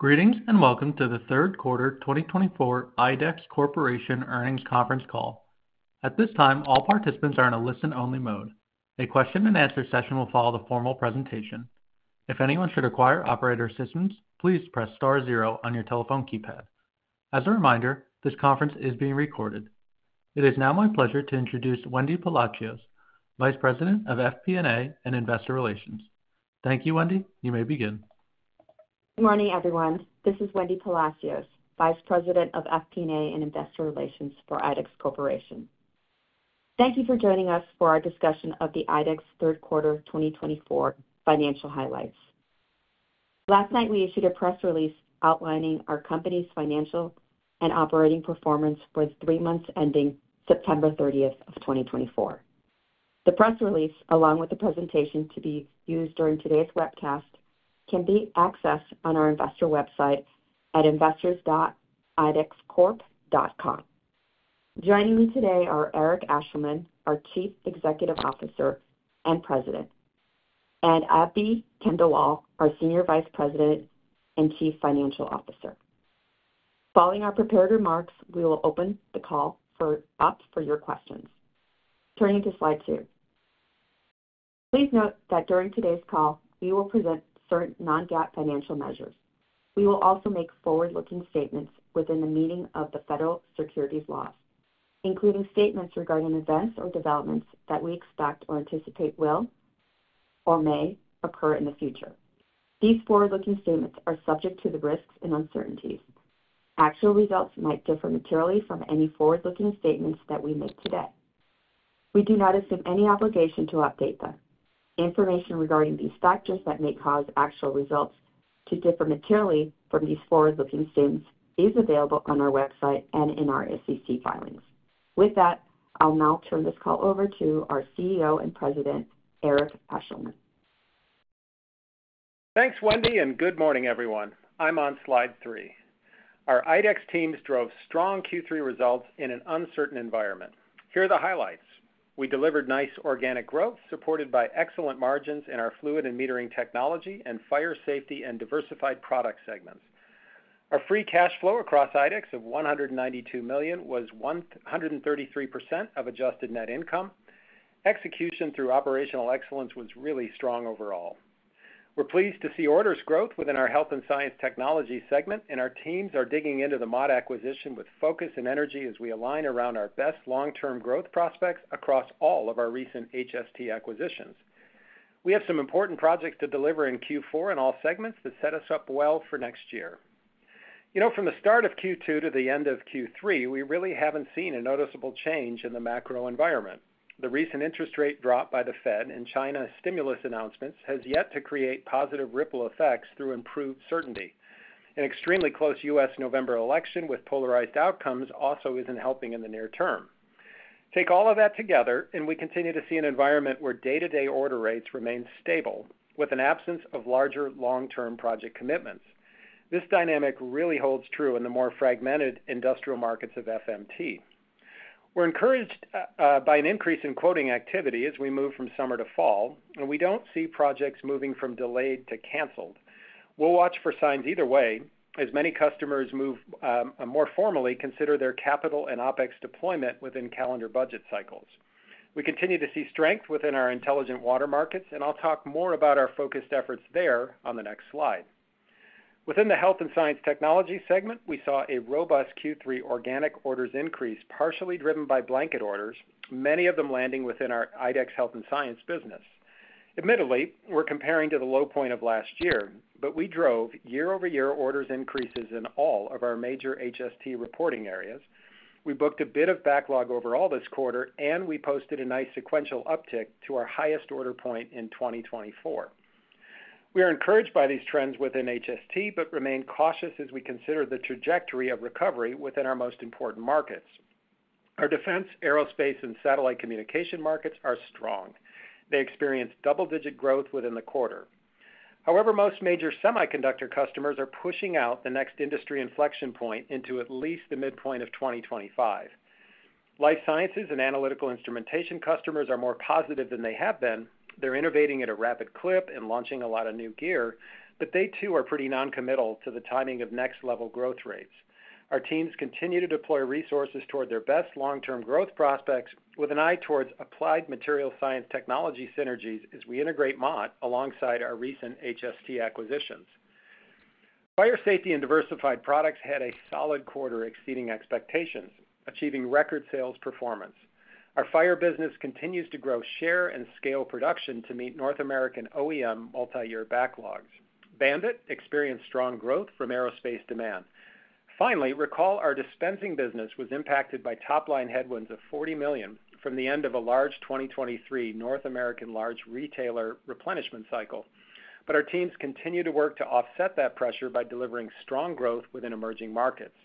Greetings and welcome to the Third Quarter 2024 IDEX Corporation Earnings Conference Call. At this time, all participants are in a listen-only mode. A question-and-answer session will follow the formal presentation. If anyone should require operator assistance, please press star zero on your telephone keypad. As a reminder, this conference is being recorded. It is now my pleasure to introduce Wendy Palacios, Vice President of FP&A and Investor Relations. Thank you, Wendy. You may begin. Good morning, everyone. This is Wendy Palacios, Vice President of FP&A and Investor Relations for IDEX Corporation. Thank you for joining us for our discussion of the IDEX third quarter 2024 financial highlights. Last night, we issued a press release outlining our company's financial and operating performance for the three months ending September 30th of 2024. The press release, along with the presentation to be used during today's webcast, can be accessed on our investor website at investors.idxcorp.com. Joining me today are Eric Ashleman, our Chief Executive Officer and President, and Abhi Khandelwal, our Senior Vice President and Chief Financial Officer. Following our prepared remarks, we will open the call up for your questions. Turning to slide two. Please note that during today's call, we will present certain non-GAAP financial measures. We will also make forward-looking statements within the meaning of the federal securities laws, including statements regarding events or developments that we expect or anticipate will or may occur in the future. These forward-looking statements are subject to the risks and uncertainties. Actual results might differ materially from any forward-looking statements that we make today. We do not assume any obligation to update them. Information regarding these factors that may cause actual results to differ materially from these forward-looking statements is available on our website and in our SEC filings. With that, I'll now turn this call over to our CEO and President, Eric Ashleman. Thanks, Wendy, and good morning, everyone. I'm on slide three. Our IDEX teams drove strong Q3 results in an uncertain environment. Here are the highlights. We delivered nice organic growth supported by excellent margins in our Fluid and Metering Technology and Fire Safety and Diversified Product segments. Our free cash flow across IDEX of $192 million was 133% of adjusted net income. Execution through operational excellence was really strong overall. We're pleased to see orders growth within our Health and Science Technology segment, and our teams are digging into the Mott acquisition with focus and energy as we align around our best long-term growth prospects across all of our recent HST acquisitions. We have some important projects to deliver in Q4 in all segments that set us up well for next year. You know, from the start of Q2 to the end of Q3, we really haven't seen a noticeable change in the macro environment. The recent interest rate drop by the Fed and China stimulus announcements has yet to create positive ripple effects through improved certainty. An extremely close U.S. November election with polarized outcomes also isn't helping in the near term. Take all of that together, and we continue to see an environment where day-to-day order rates remain stable with an absence of larger long-term project commitments. This dynamic really holds true in the more fragmented industrial markets of FMT. We're encouraged by an increase in quoting activity as we move from summer to fall, and we don't see projects moving from delayed to canceled. We'll watch for signs either way as many customers move more formally consider their capital and OpEx deployment within calendar budget cycles. We continue to see strength within our Intelligent Water markets, and I'll talk more about our focused efforts there on the next slide. Within the Health and Science Technology segment, we saw a robust Q3 organic orders increase partially driven by blanket orders, many of them landing within our IDEX Health and Science business. Admittedly, we're comparing to the low point of last year, but we drove year-over-year orders increases in all of our major HST reporting areas. We booked a bit of backlog overall this quarter, and we posted a nice sequential uptick to our highest order point in 2024. We are encouraged by these trends within HST, but remain cautious as we consider the trajectory of recovery within our most important markets. Our defense, aerospace, and satellite communication markets are strong. They experienced double-digit growth within the quarter. However, most major semiconductor customers are pushing out the next industry inflection point into at least the midpoint of 2025. Life sciences and analytical instrumentation customers are more positive than they have been. They're innovating at a rapid clip and launching a lot of new gear, but they too are pretty non-committal to the timing of next-level growth rates. Our teams continue to deploy resources toward their best long-term growth prospects with an eye towards applied material science technology synergies as we integrate Mott alongside our recent HST acquisitions. Fire Safety and Diversified Products had a solid quarter exceeding expectations, achieving record sales performance. Our fire business continues to grow share and scale production to meet North American OEM multi-year backlogs. BAND-IT experienced strong growth from aerospace demand. Finally, recall our dispensing business was impacted by top-line headwinds of $40 million from the end of a large 2023 North American large retailer replenishment cycle, but our teams continue to work to offset that pressure by delivering strong growth within emerging markets.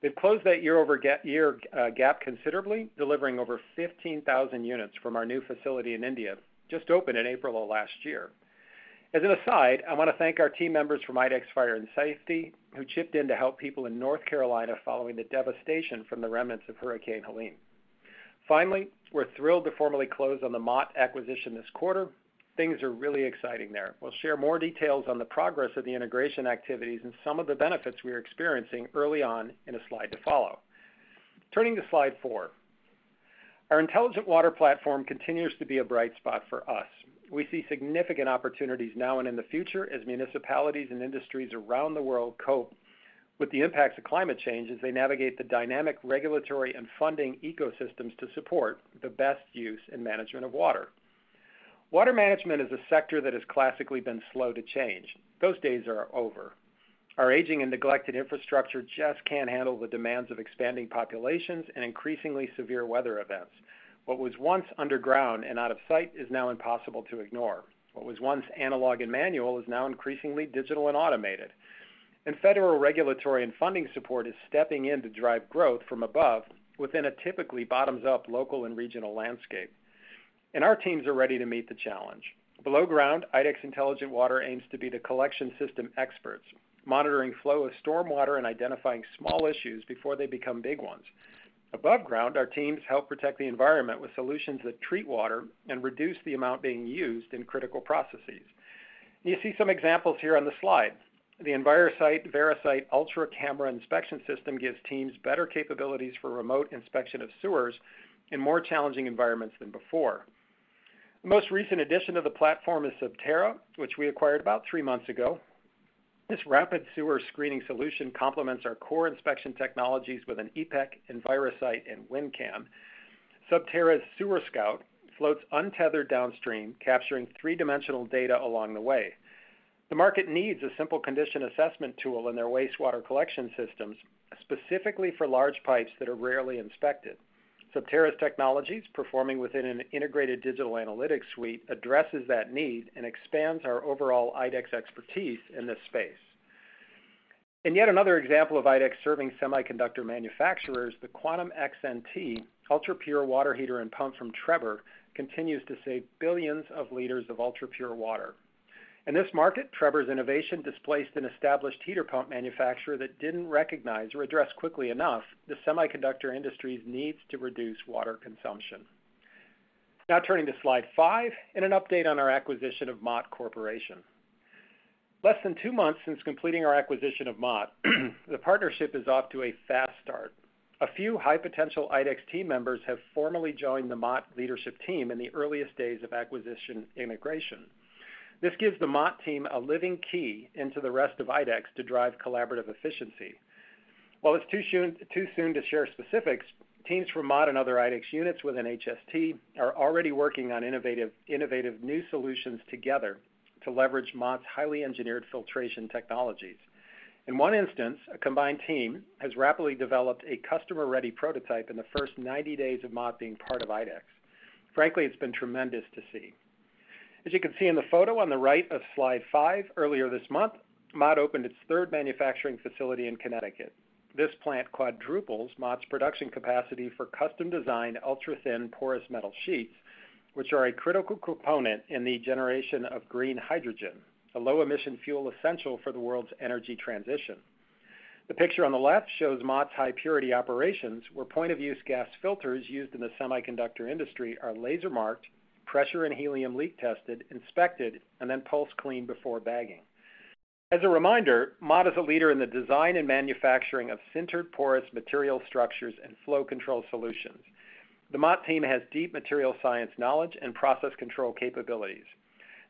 They've closed that year-over-year gap considerably, delivering over 15,000 units from our new facility in India, just opened in April of last year. As an aside, I want to thank our team members from IDEX Fire & Safety, who chipped in to help people in North Carolina following the devastation from the remnants of Hurricane Helene. Finally, we're thrilled to formally close on the Mott acquisition this quarter. Things are really exciting there. We'll share more details on the progress of the integration activities and some of the benefits we are experiencing early on in a slide to follow. Turning to slide four, our Intelligent Water platform continues to be a bright spot for us. We see significant opportunities now and in the future as municipalities and industries around the world cope with the impacts of climate change as they navigate the dynamic regulatory and funding ecosystems to support the best use and management of water. Water management is a sector that has classically been slow to change. Those days are over. Our aging and neglected infrastructure just can't handle the demands of expanding populations and increasingly severe weather events. What was once underground and out of sight is now impossible to ignore. What was once analog and manual is now increasingly digital and automated. Federal regulatory and funding support is stepping in to drive growth from above within a typically bottoms-up local and regional landscape. Our teams are ready to meet the challenge. Below ground, IDEX Intelligent Water aims to be the collection system experts, monitoring flow of stormwater and identifying small issues before they become big ones. Above ground, our teams help protect the environment with solutions that treat water and reduce the amount being used in critical processes. You see some examples here on the slide. The Envirosight Verisight Ultra Camera Inspection System gives teams better capabilities for remote inspection of sewers in more challenging environments than before. The most recent addition to the platform is Subterra, which we acquired about three months ago. This rapid sewer screening solution complements our core inspection technologies with an iPEK, Envirosight, and WinCan. Subterra's Sewer Scout floats untethered downstream, capturing three-dimensional data along the way. The market needs a simple condition assessment tool in their wastewater collection systems, specifically for large pipes that are rarely inspected. Subterra's technologies, performing within an integrated digital analytics suite, addresses that need and expands our overall IDEX expertise in this space, and yet another example of IDEX serving semiconductor manufacturers, the Quantum XNT Ultra Pure Water Heater and Pump from Trebor continues to save billions of liters of ultra-pure water. In this market, Trebor's innovation displaced an established heater pump manufacturer that didn't recognize or address quickly enough the semiconductor industry's needs to reduce water consumption. Now turning to slide five and an update on our acquisition of Mott Corporation. Less than two months since completing our acquisition of Mott, the partnership is off to a fast start. A few high-potential IDEX team members have formally joined the Mott leadership team in the earliest days of acquisition integration. This gives the Mott team a living key into the rest of IDEX to drive collaborative efficiency. While it's too soon to share specifics, teams from Mott and other IDEX units within HST are already working on innovative new solutions together to leverage Mott's highly engineered filtration technologies. In one instance, a combined team has rapidly developed a customer-ready prototype in the first 90 days of Mott being part of IDEX. Frankly, it's been tremendous to see. As you can see in the photo on the right of slide five, earlier this month, Mott opened its third manufacturing facility in Connecticut. This plant quadruples Mott's production capacity for custom-designed ultra-thin porous metal sheets, which are a critical component in the generation of green hydrogen, a low-emission fuel essential for the world's energy transition. The picture on the left shows Mott's high-purity operations, where point-of-use gas filters used in the semiconductor industry are laser-marked, pressure and helium leak tested, inspected, and then pulse cleaned before bagging. As a reminder, Mott is a leader in the design and manufacturing of sintered porous material structures and flow control solutions. The Mott team has deep material science knowledge and process control capabilities.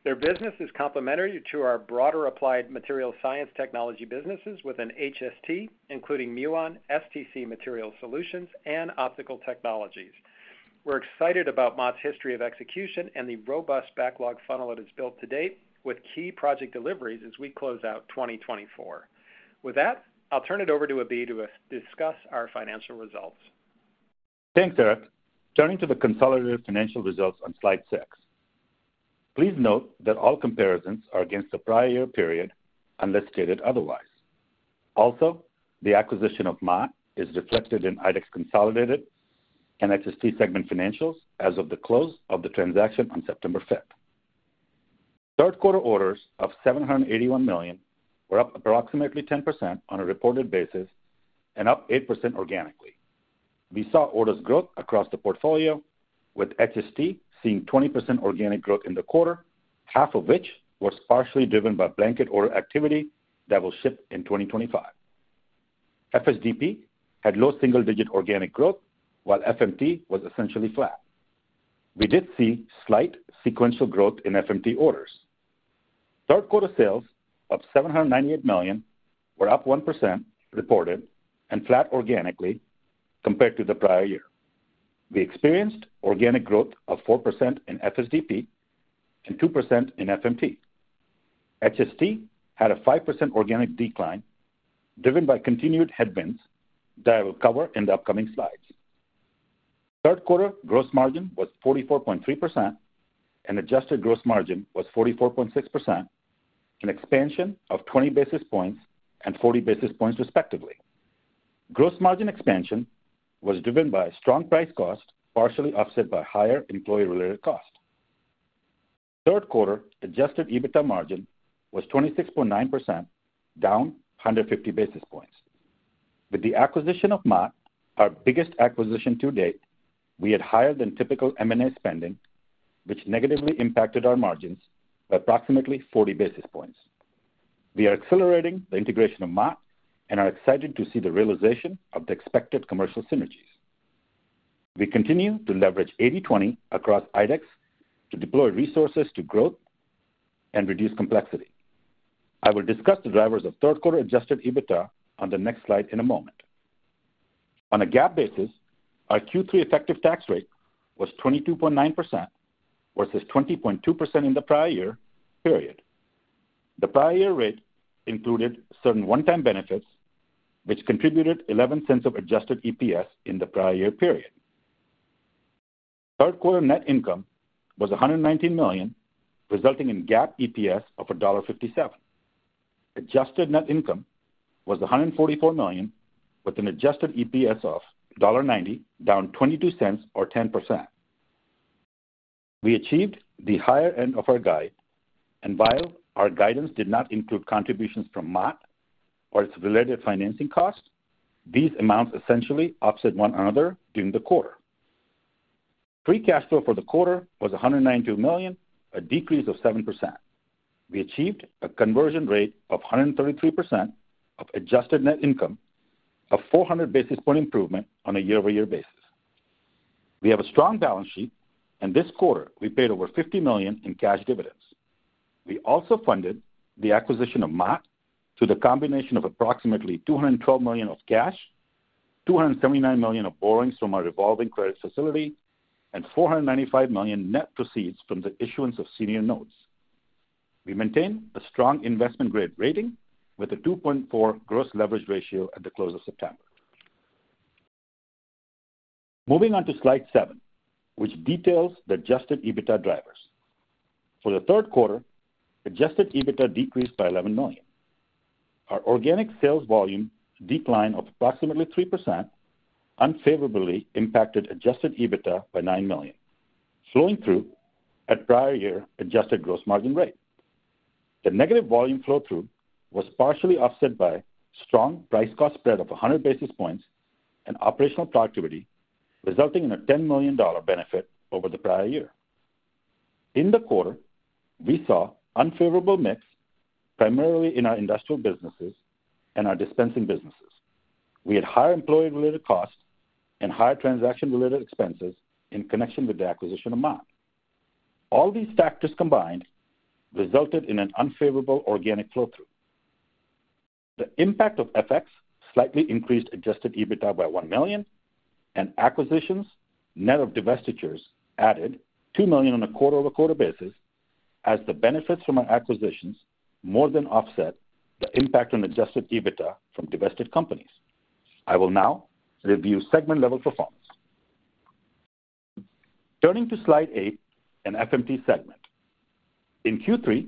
Their business is complementary to our broader applied material science technology businesses within HST, including Muon, STC Material Solutions, and Optical Technologies. We're excited about Mott's history of execution and the robust backlog funnel it has built to date with key project deliveries as we close out 2024. With that, I'll turn it over to Abhi to discuss our financial results. Thanks, Eric. Turning to the consolidated financial results on slide six, please note that all comparisons are against the prior year period unless stated otherwise. Also, the acquisition of Mott is reflected in IDEX consolidated and HST segment financials as of the close of the transaction on September 5th. Third quarter orders of $781 million were up approximately 10% on a reported basis and up 8% organically. We saw orders growth across the portfolio, with HST seeing 20% organic growth in the quarter, half of which was partially driven by blanket order activity that will ship in 2025. FSDP had low single-digit organic growth, while FMT was essentially flat. We did see slight sequential growth in FMT orders. Third quarter sales of $798 million were up 1% reported and flat organically compared to the prior year. We experienced organic growth of 4% in FSDP and 2% in FMT. HST had a 5% organic decline driven by continued headwinds that I will cover in the upcoming slides. Third quarter gross margin was 44.3%, and adjusted gross margin was 44.6%, an expansion of 20 basis points and 40 basis points respectively. Gross margin expansion was driven by strong price cost partially offset by higher employee-related cost. Third quarter adjusted EBITDA margin was 26.9%, down 150 basis points. With the acquisition of Mott, our biggest acquisition to date, we had higher than typical M&A spending, which negatively impacted our margins by approximately 40 basis points. We are accelerating the integration of Mott and are excited to see the realization of the expected commercial synergies. We continue to leverage 80/20 across IDEX to deploy resources to growth and reduce complexity. I will discuss the drivers of third quarter adjusted EBITDA on the next slide in a moment. On a GAAP basis, our Q3 effective tax rate was 22.9% versus 20.2% in the prior year period. The prior year rate included certain one-time benefits, which contributed $0.11 of adjusted EPS in the prior year period. Third quarter net income was $119 million, resulting in GAAP EPS of $1.57. Adjusted net income was $144 million, with an adjusted EPS of $1.90, down $0.22 or 10%. We achieved the higher end of our guide, and while our guidance did not include contributions from Mott or its related financing costs, these amounts essentially offset one another during the quarter. Free cash flow for the quarter was $192 million, a decrease of 7%. We achieved a conversion rate of 133% of adjusted net income of 400 basis points improvement on a year-over-year basis. We have a strong balance sheet, and this quarter we paid over $50 million in cash dividends. We also funded the acquisition of Mott through the combination of approximately $212 million of cash, $279 million of borrowings from our revolving credit facility, and $495 million net proceeds from the issuance of senior notes. We maintain a strong investment-grade rating with a 2.4 gross leverage ratio at the close of September. Moving on to slide seven, which details the adjusted EBITDA drivers. For the third quarter, adjusted EBITDA decreased by $11 million. Our organic sales volume decline of approximately 3% unfavorably impacted adjusted EBITDA by $9 million, flowing through at prior year adjusted gross margin rate. The negative volume flow-through was partially offset by strong price-cost spread of 100 basis points and operational productivity, resulting in a $10 million benefit over the prior year. In the quarter, we saw unfavorable mix primarily in our industrial businesses and our dispensing businesses. We had higher employee-related costs and higher transaction-related expenses in connection with the acquisition of Mott. All these factors combined resulted in an unfavorable organic flow-through. The impact of FX slightly increased adjusted EBITDA by $1 million, and acquisitions net of divestitures added $2 million on a quarter-over-quarter basis as the benefits from our acquisitions more than offset the impact on adjusted EBITDA from divested companies. I will now review segment-level performance. Turning to slide eight and FMT segment. In Q3,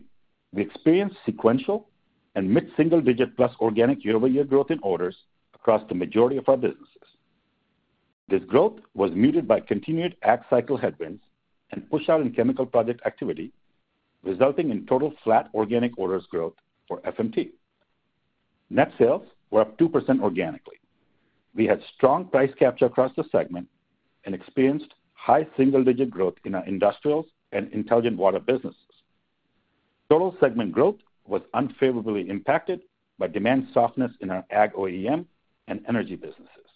we experienced sequential and mid-single-digit plus organic year-over-year growth in orders across the majority of our businesses. This growth was muted by continued ag cycle headwinds and push-out in chemical project activity, resulting in total flat organic orders growth for FMT. Net sales were up 2% organically. We had strong price capture across the segment and experienced high single-digit growth in our industrials and Intelligent Water businesses. Total segment growth was unfavorably impacted by demand softness in our ag OEM and energy businesses.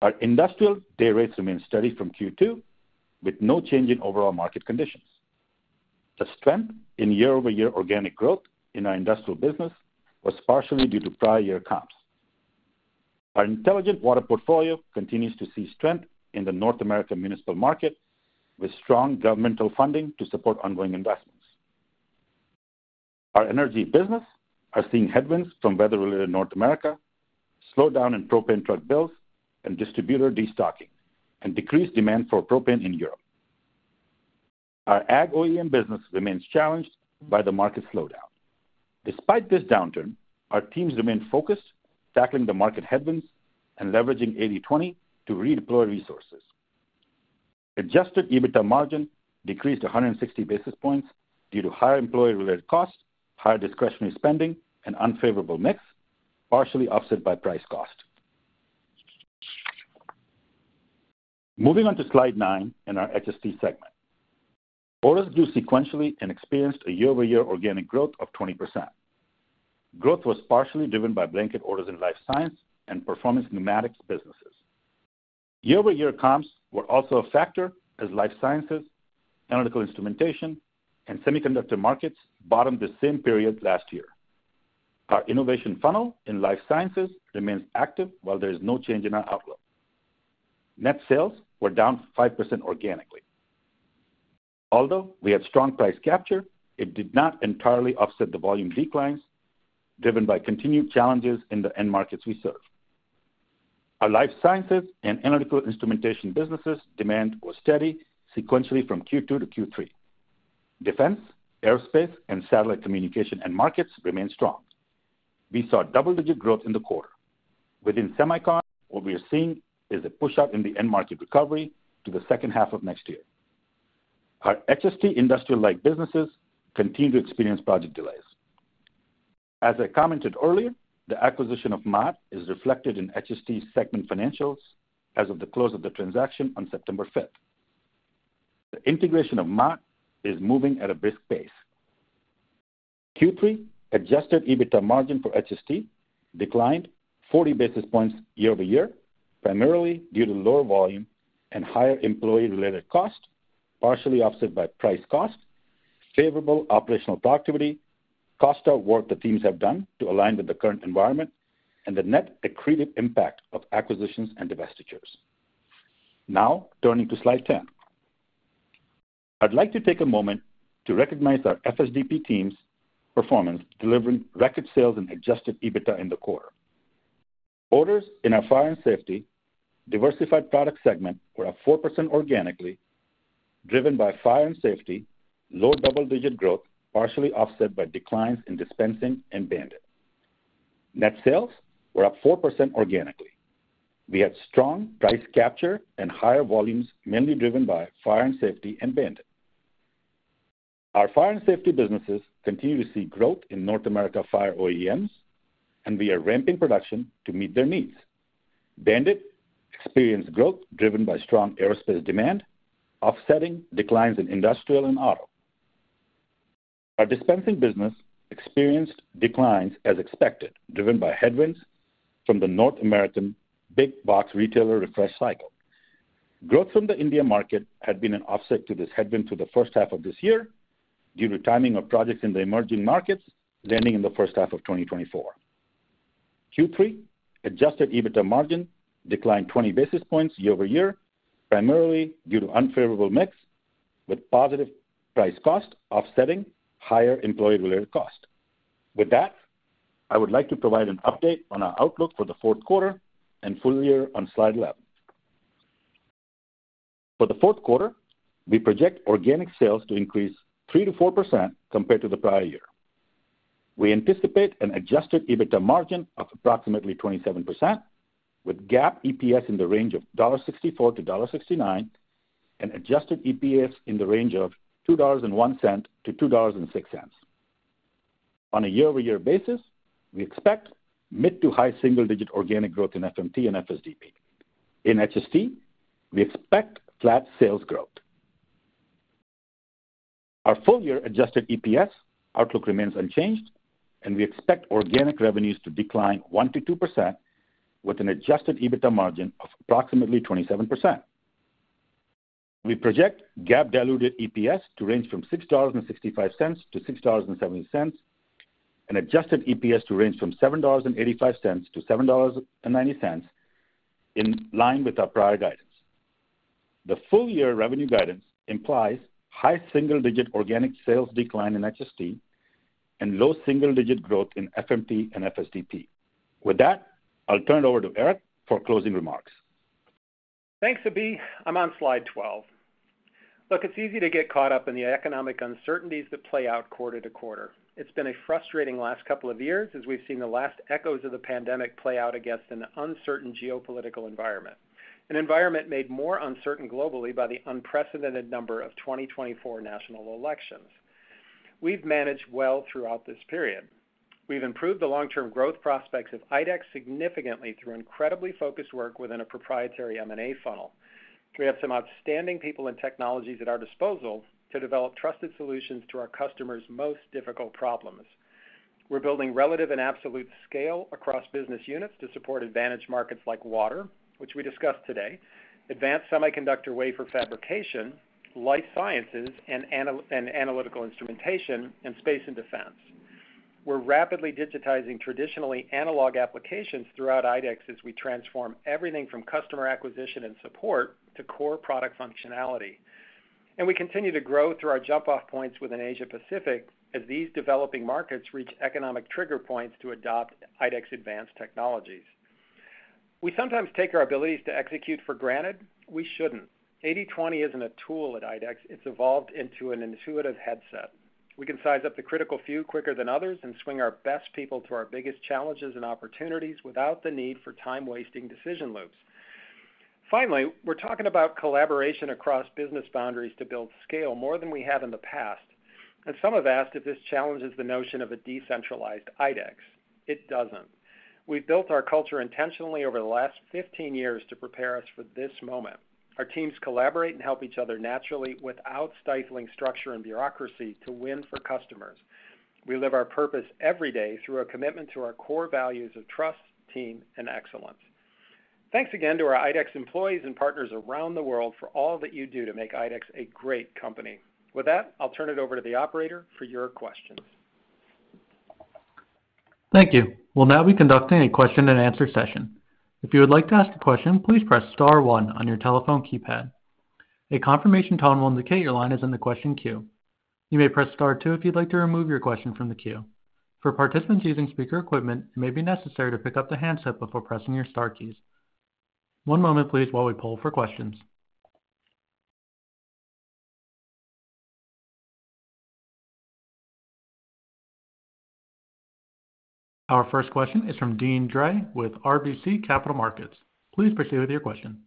Our industrial day rates remained steady from Q2, with no change in overall market conditions. The strength in year-over-year organic growth in our industrial business was partially due to prior year comps. Our Intelligent Water portfolio continues to see strength in the North America municipal market with strong governmental funding to support ongoing investments. Our energy business is seeing headwinds from weather-related North America, slowdown in propane truck builds and distributor destocking, and decreased demand for propane in Europe. Our ag OEM business remains challenged by the market slowdown. Despite this downturn, our teams remain focused, tackling the market headwinds and leveraging 80/20 to redeploy resources. Adjusted EBITDA margin decreased 160 basis points due to higher employee-related costs, higher discretionary spending, and unfavorable mix, partially offset by price cost. Moving on to slide nine in our HST segment. Orders grew sequentially and experienced a year-over-year organic growth of 20%. Growth was partially driven by blanket orders in life science and Performance Pneumatics businesses. Year-over-year comps were also a factor as life sciences, analytical instrumentation, and semiconductor markets bottomed the same period last year. Our innovation funnel in life sciences remains active while there is no change in our outlook. Net sales were down 5% organically. Although we had strong price capture, it did not entirely offset the volume declines driven by continued challenges in the end markets we serve. Our life sciences and analytical instrumentation businesses' demand was steady sequentially from Q2 to Q3. Defense, aerospace, and satellite communication end markets remained strong. We saw double-digit growth in the quarter. Within semiconductors, what we are seeing is a push-out in the end market recovery to the second half of next year. Our HST industrial-like businesses continue to experience project delays. As I commented earlier, the acquisition of Mott is reflected in HST segment financials as of the close of the transaction on September 5th. The integration of Mott is moving at a brisk pace. Q3 adjusted EBITDA margin for HST declined 40 basis points year-over-year, primarily due to lower volume and higher employee-related cost, partially offset by price cost, favorable operational productivity, cost of work the teams have done to align with the current environment, and the net accretive impact of acquisitions and divestitures. Now turning to slide 10, I'd like to take a moment to recognize our FSDP teams' performance delivering record sales and adjusted EBITDA in the quarter. Orders in our Fire and Safety Diversified Product segment were up 4% organically, driven by fire and safety, low double-digit growth partially offset by declines in dispensing and BAND-IT. Net sales were up 4% organically. We had strong price capture and higher volumes mainly driven by Fire and Safety and BAND-IT. Our fire and safety businesses continue to see growth in North America fire OEMs, and we are ramping production to meet their needs. BAND-IT experienced growth driven by strong aerospace demand, offsetting declines in industrial and auto. Our dispensing business experienced declines as expected, driven by headwinds from the North American big box retailer refresh cycle. Growth from the India market had been an offset to this headwind through the first half of this year due to timing of projects in the emerging markets landing in the first half of 2024. Q3 adjusted EBITDA margin declined 20 basis points year-over-year, primarily due to unfavorable mix with positive price cost offsetting higher employee-related cost. With that, I would like to provide an update on our outlook for the fourth quarter and full year on slide 11. For the fourth quarter, we project organic sales to increase 3%-4% compared to the prior year. We anticipate an adjusted EBITDA margin of approximately 27%, with GAAP EPS in the range of $1.64-$1.69 and adjusted EPS in the range of $2.01-$2.06. On a year-over-year basis, we expect mid to high single-digit organic growth in FMT and FSDP. In HST, we expect flat sales growth. Our full year adjusted EPS outlook remains unchanged, and we expect organic revenues to decline 1%-2% with an adjusted EBITDA margin of approximately 27%. We project GAAP diluted EPS to range from $6.65-$6.70 and adjusted EPS to range from $7.85-$7.90 in line with our prior guidance. The full year revenue guidance implies high single-digit organic sales decline in HST and low single-digit growth in FMT and FSDP. With that, I'll turn it over to Eric for closing remarks. Thanks, Abhi. I'm on slide 12. Look, it's easy to get caught up in the economic uncertainties that play out quarter to quarter. It's been a frustrating last couple of years as we've seen the last echoes of the pandemic play out against an uncertain geopolitical environment, an environment made more uncertain globally by the unprecedented number of 2024 national elections. We've managed well throughout this period. We've improved the long-term growth prospects of IDEX significantly through incredibly focused work within a proprietary M&A funnel. We have some outstanding people and technologies at our disposal to develop trusted solutions to our customers' most difficult problems. We're building relative and absolute scale across business units to support advantage markets like water, which we discussed today, advanced semiconductor wafer fabrication, life sciences, and analytical instrumentation in space and defense. We're rapidly digitizing traditionally analog applications throughout IDEX as we transform everything from customer acquisition and support to core product functionality. And we continue to grow through our jump-off points within Asia-Pacific as these developing markets reach economic trigger points to adopt IDEX advanced technologies. We sometimes take our abilities to execute for granted. We shouldn't. 80/20 isn't a tool at IDEX. It's evolved into an intuitive headset. We can size up the critical few quicker than others and swing our best people to our biggest challenges and opportunities without the need for time-wasting decision loops. Finally, we're talking about collaboration across business boundaries to build scale more than we have in the past. And some have asked if this challenges the notion of a decentralized IDEX. It doesn't. We've built our culture intentionally over the last 15 years to prepare us for this moment. Our teams collaborate and help each other naturally without stifling structure and bureaucracy to win for customers. We live our purpose every day through a commitment to our core values of trust, team, and excellence. Thanks again to our IDEX employees and partners around the world for all that you do to make IDEX a great company. With that, I'll turn it over to the operator for your questions. Thank you. We'll now be conducting a question-and-answer session. If you would like to ask a question, please press star one on your telephone keypad. A confirmation tone will indicate your line is in the question queue. You may press star two if you'd like to remove your question from the queue. For participants using speaker equipment, it may be necessary to pick up the handset before pressing your star keys. One moment, please, while we poll for questions. Our first question is from Deane Dray with RBC Capital Markets. Please proceed with your question.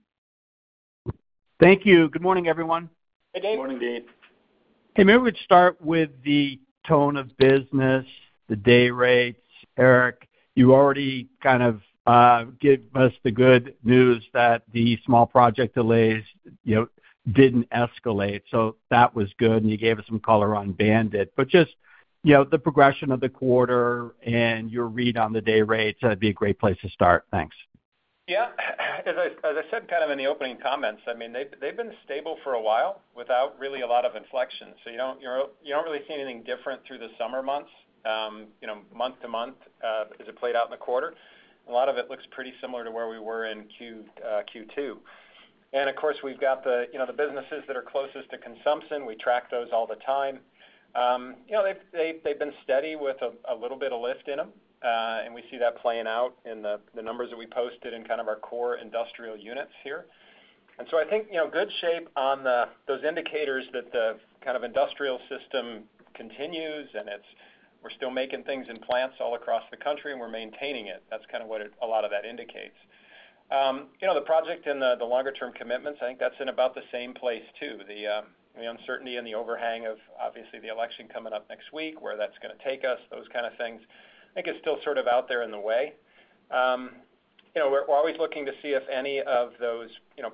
Thank you. Good morning, everyone. Hey, Deane. Good morning, Deane. Hey, maybe we'd start with the tone of business, the day rates. Eric, you already kind of gave us the good news that the small project delays didn't escalate. So that was good, and you gave us some color on BAND-IT. But just the progression of the quarter and your read on the day rates, that'd be a great place to start. Thanks. Yeah. As I said kind of in the opening comments, I mean, they've been stable for a while without really a lot of inflection, so you don't really see anything different through the summer months, month-to-month as it played out in the quarter. A lot of it looks pretty similar to where we were in Q2, and of course, we've got the businesses that are closest to consumption. We track those all the time. They've been steady with a little bit of lift in them, and we see that playing out in the numbers that we posted in kind of our core industrial units here, and so I think good shape on those indicators that the kind of industrial system continues, and we're still making things in plants all across the country, and we're maintaining it. That's kind of what a lot of that indicates. The project and the longer-term commitments, I think that's in about the same place too. The uncertainty and the overhang of obviously the election coming up next week, where that's going to take us, those kind of things, I think it's still sort of out there in the way. We're always looking to see if any of those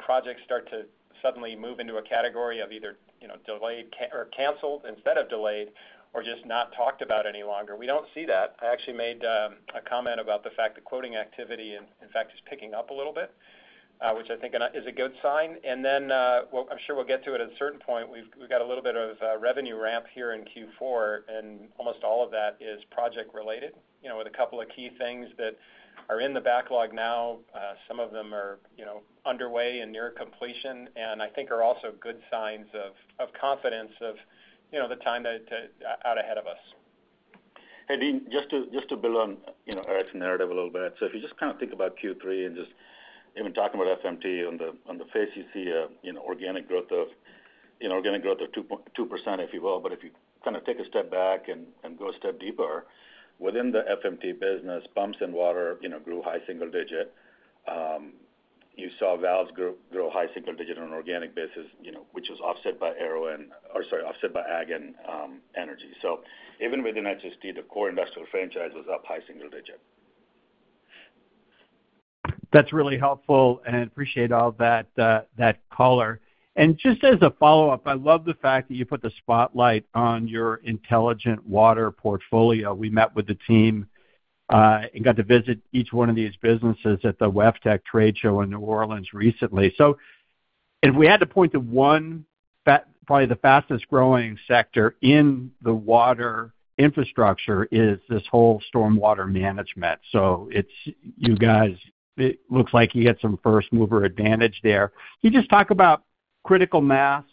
projects start to suddenly move into a category of either delayed or canceled instead of delayed or just not talked about any longer. We don't see that. I actually made a comment about the fact that quoting activity, in fact, is picking up a little bit, which I think is a good sign. And then I'm sure we'll get to it at a certain point. We've got a little bit of revenue ramp here in Q4, and almost all of that is project-related with a couple of key things that are in the backlog now. Some of them are underway and near completion, and I think are also good signs of confidence of the time out ahead of us. Hey, Deane, just to build on Eric's narrative a little bit, so if you just kind of think about Q3 and just even talking about FMT, on the face, you see organic growth of 2%, if you will. But if you kind of take a step back and go a step deeper, within the FMT business, pumps and water grew high single digit. You saw valves grow high single digit on an organic basis, which was offset by ag and energy. So even within HST, the core industrial franchise was up high single digit. That's really helpful, and I appreciate all that color. And just as a follow-up, I love the fact that you put the spotlight on your Intelligent Water portfolio. We met with the team and got to visit each one of these businesses at the WEFTEC Trade Show in New Orleans recently. So if we had to point to one probably the fastest-growing sector in the water infrastructure is this whole Stormwater Management. So it's you guys. It looks like you get some first-mover advantage there. Can you just talk about critical mass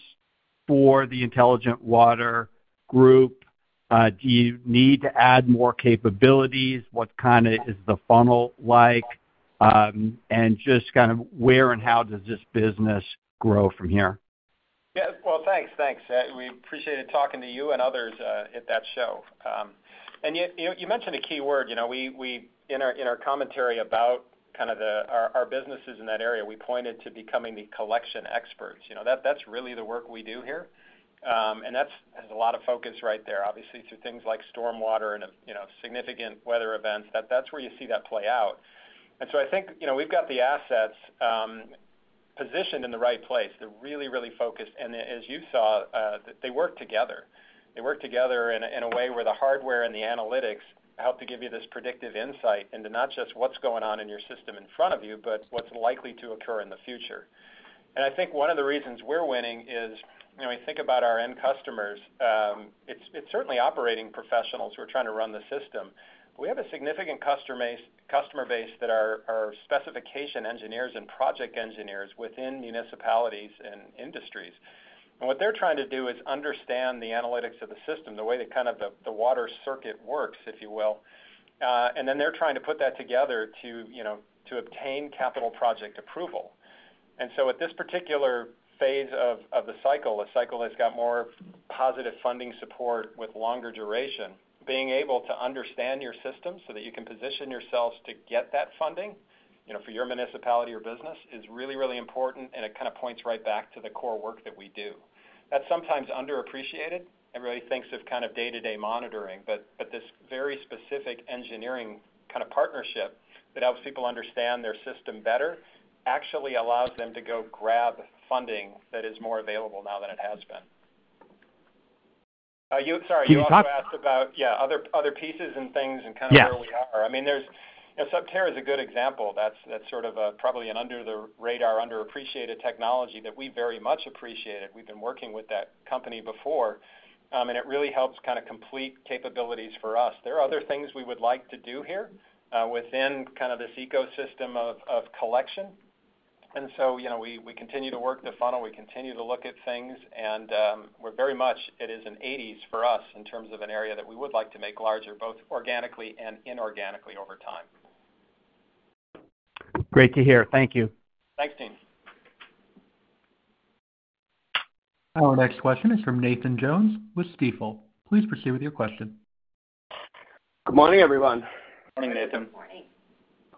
for the Intelligent Water group? Do you need to add more capabilities? What kind of is the funnel like? And just kind of where and how does this business grow from here? Yeah. Well, thanks. Thanks. We appreciated talking to you and others at that show. And you mentioned a key word. In our commentary about kind of our businesses in that area, we pointed to becoming the collection experts. That's really the work we do here. And that has a lot of focus right there, obviously, through things like Stormwater and significant weather events. That's where you see that play out. And so I think we've got the assets positioned in the right place. They're really, really focused. And as you saw, they work together. They work together in a way where the hardware and the analytics help to give you this predictive insight into not just what's going on in your system in front of you, but what's likely to occur in the future. And I think one of the reasons we're winning is when we think about our end customers, it's certainly operating professionals who are trying to run the system. We have a significant customer base that are specification engineers and project engineers within municipalities and industries, and what they're trying to do is understand the analytics of the system, the way that kind of the water circuit works, if you will, and then they're trying to put that together to obtain capital project approval, and so at this particular phase of the cycle, a cycle that's got more positive funding support with longer duration, being able to understand your system so that you can position yourselves to get that funding for your municipality or business is really, really important, and it kind of points right back to the core work that we do. That's sometimes underappreciated. Everybody thinks of kind of day-to-day monitoring, but this very specific engineering kind of partnership that helps people understand their system better actually allows them to go grab funding that is more available now than it has been. Sorry, you also asked about, yeah, other pieces and things and kind of where we are. I mean, Subterra is a good example. That's sort of probably an under-the-radar, underappreciated technology that we very much appreciated. We've been working with that company before. And it really helps kind of complete capabilities for us. There are other things we would like to do here within kind of this ecosystem of collection. And so we continue to work the funnel. We continue to look at things. And very much, it is an 80/20 for us in terms of an area that we would like to make larger, both organically and inorganically over time. Great to hear. Thank you. Thanks, Deane. Our next question is from Nathan Jones with Stifel. Please proceed with your question. Good morning, everyone. Morning, Nathan. Morning.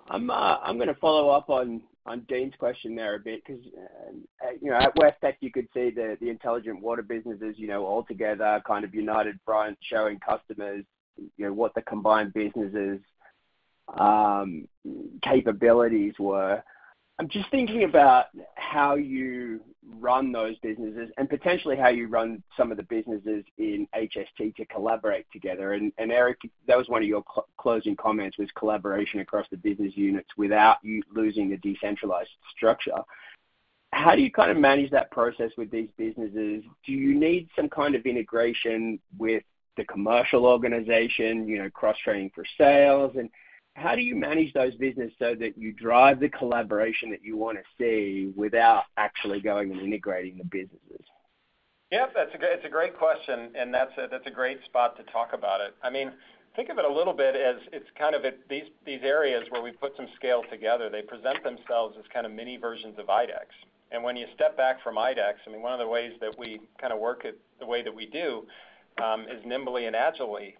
I'm going to follow up on Deane's question there a bit because at WEFTEC, you could see the Intelligent Water businesses all together, kind of united front, showing customers what the combined businesses' capabilities were. I'm just thinking about how you run those businesses and potentially how you run some of the businesses in HST to collaborate together. And Eric, that was one of your closing comments, was collaboration across the business units without you losing the decentralized structure. How do you kind of manage that process with these businesses? Do you need some kind of integration with the commercial organization, cross-training for sales? How do you manage those businesses so that you drive the collaboration that you want to see without actually going and integrating the businesses? Yeah, that's a great question. And that's a great spot to talk about it. I mean, think of it a little bit as it's kind of these areas where we put some scale together. They present themselves as kind of mini versions of IDEX. And when you step back from IDEX, I mean, one of the ways that we kind of work it the way that we do as nimbly and agilely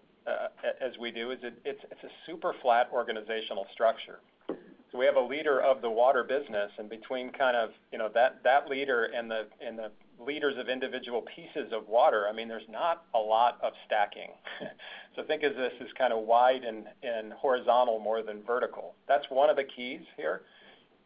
as we do is it's a super flat organizational structure. So we have a leader of the water business. And between kind of that leader and the leaders of individual pieces of water, I mean, there's not a lot of stacking. So think of this as kind of wide and horizontal more than vertical. That's one of the keys here.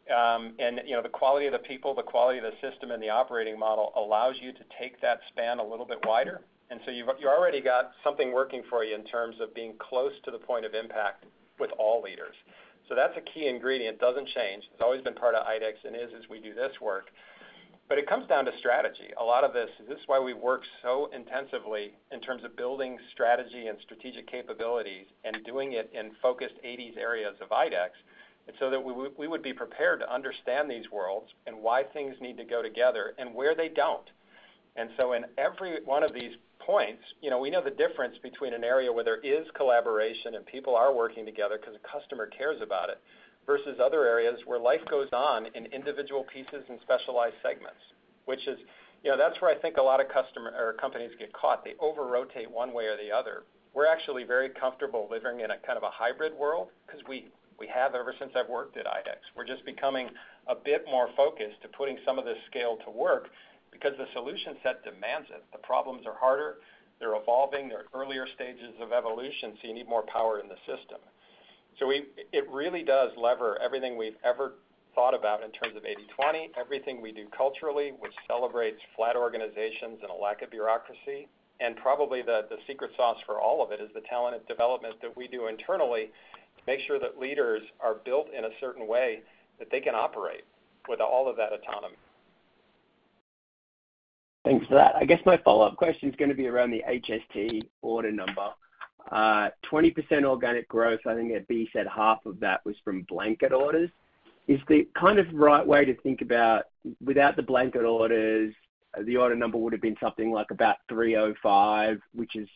And the quality of the people, the quality of the system, and the operating model allows you to take that span a little bit wider. And so you've already got something working for you in terms of being close to the point of impact with all leaders. So that's a key ingredient. It doesn't change. It's always been part of IDEX and is as we do this work. But it comes down to strategy. A lot of this is why we work so intensively in terms of building strategy and strategic capabilities and doing it in focused 80/20 areas of IDEX so that we would be prepared to understand these worlds and why things need to go together and where they don't. And so in every one of these points, we know the difference between an area where there is collaboration and people are working together because a customer cares about it versus other areas where life goes on in individual pieces and specialized segments, that's where I think a lot of customers or companies get caught. They over-rotate one way or the other. We're actually very comfortable living in a kind of a hybrid world because we have ever since I've worked at IDEX. We're just becoming a bit more focused to putting some of this scale to work because the solution set demands it. The problems are harder. They're evolving. They're earlier stages of evolution. So you need more power in the system. So it really does lever everything we've ever thought about in terms of 80/20, everything we do culturally, which celebrates flat organizations and a lack of bureaucracy. And probably the secret sauce for all of it is the talented development that we do internally to make sure that leaders are built in a certain way that they can operate with all of that autonomy. Thanks for that. I guess my follow-up question is going to be around the HST order number. 20% organic growth, I think Baird said half of that was from blanket orders. Is the kind of right way to think about without the blanket orders, the order number would have been something like about 305, which is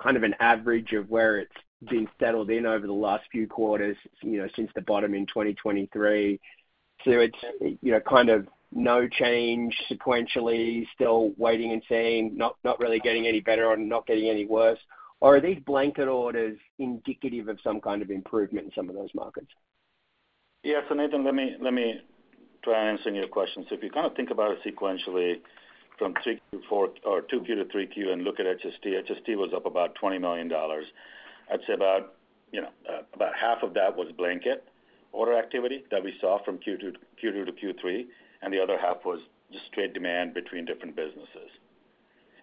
kind of an average of where it's been settled in over the last few quarters since the bottom in 2023. It's kind of no change sequentially, still waiting and seeing, not really getting any better or not getting any worse. Or are these blanket orders indicative of some kind of improvement in some of those markets? Yeah. So Nathan, let me try and answer your question. So if you kind of think about it sequentially from 2Q to 3Q and look at HST, HST was up about $20 million. I'd say about half of that was blanket order activity that we saw from Q2 to Q3. And the other half was just straight demand between different businesses.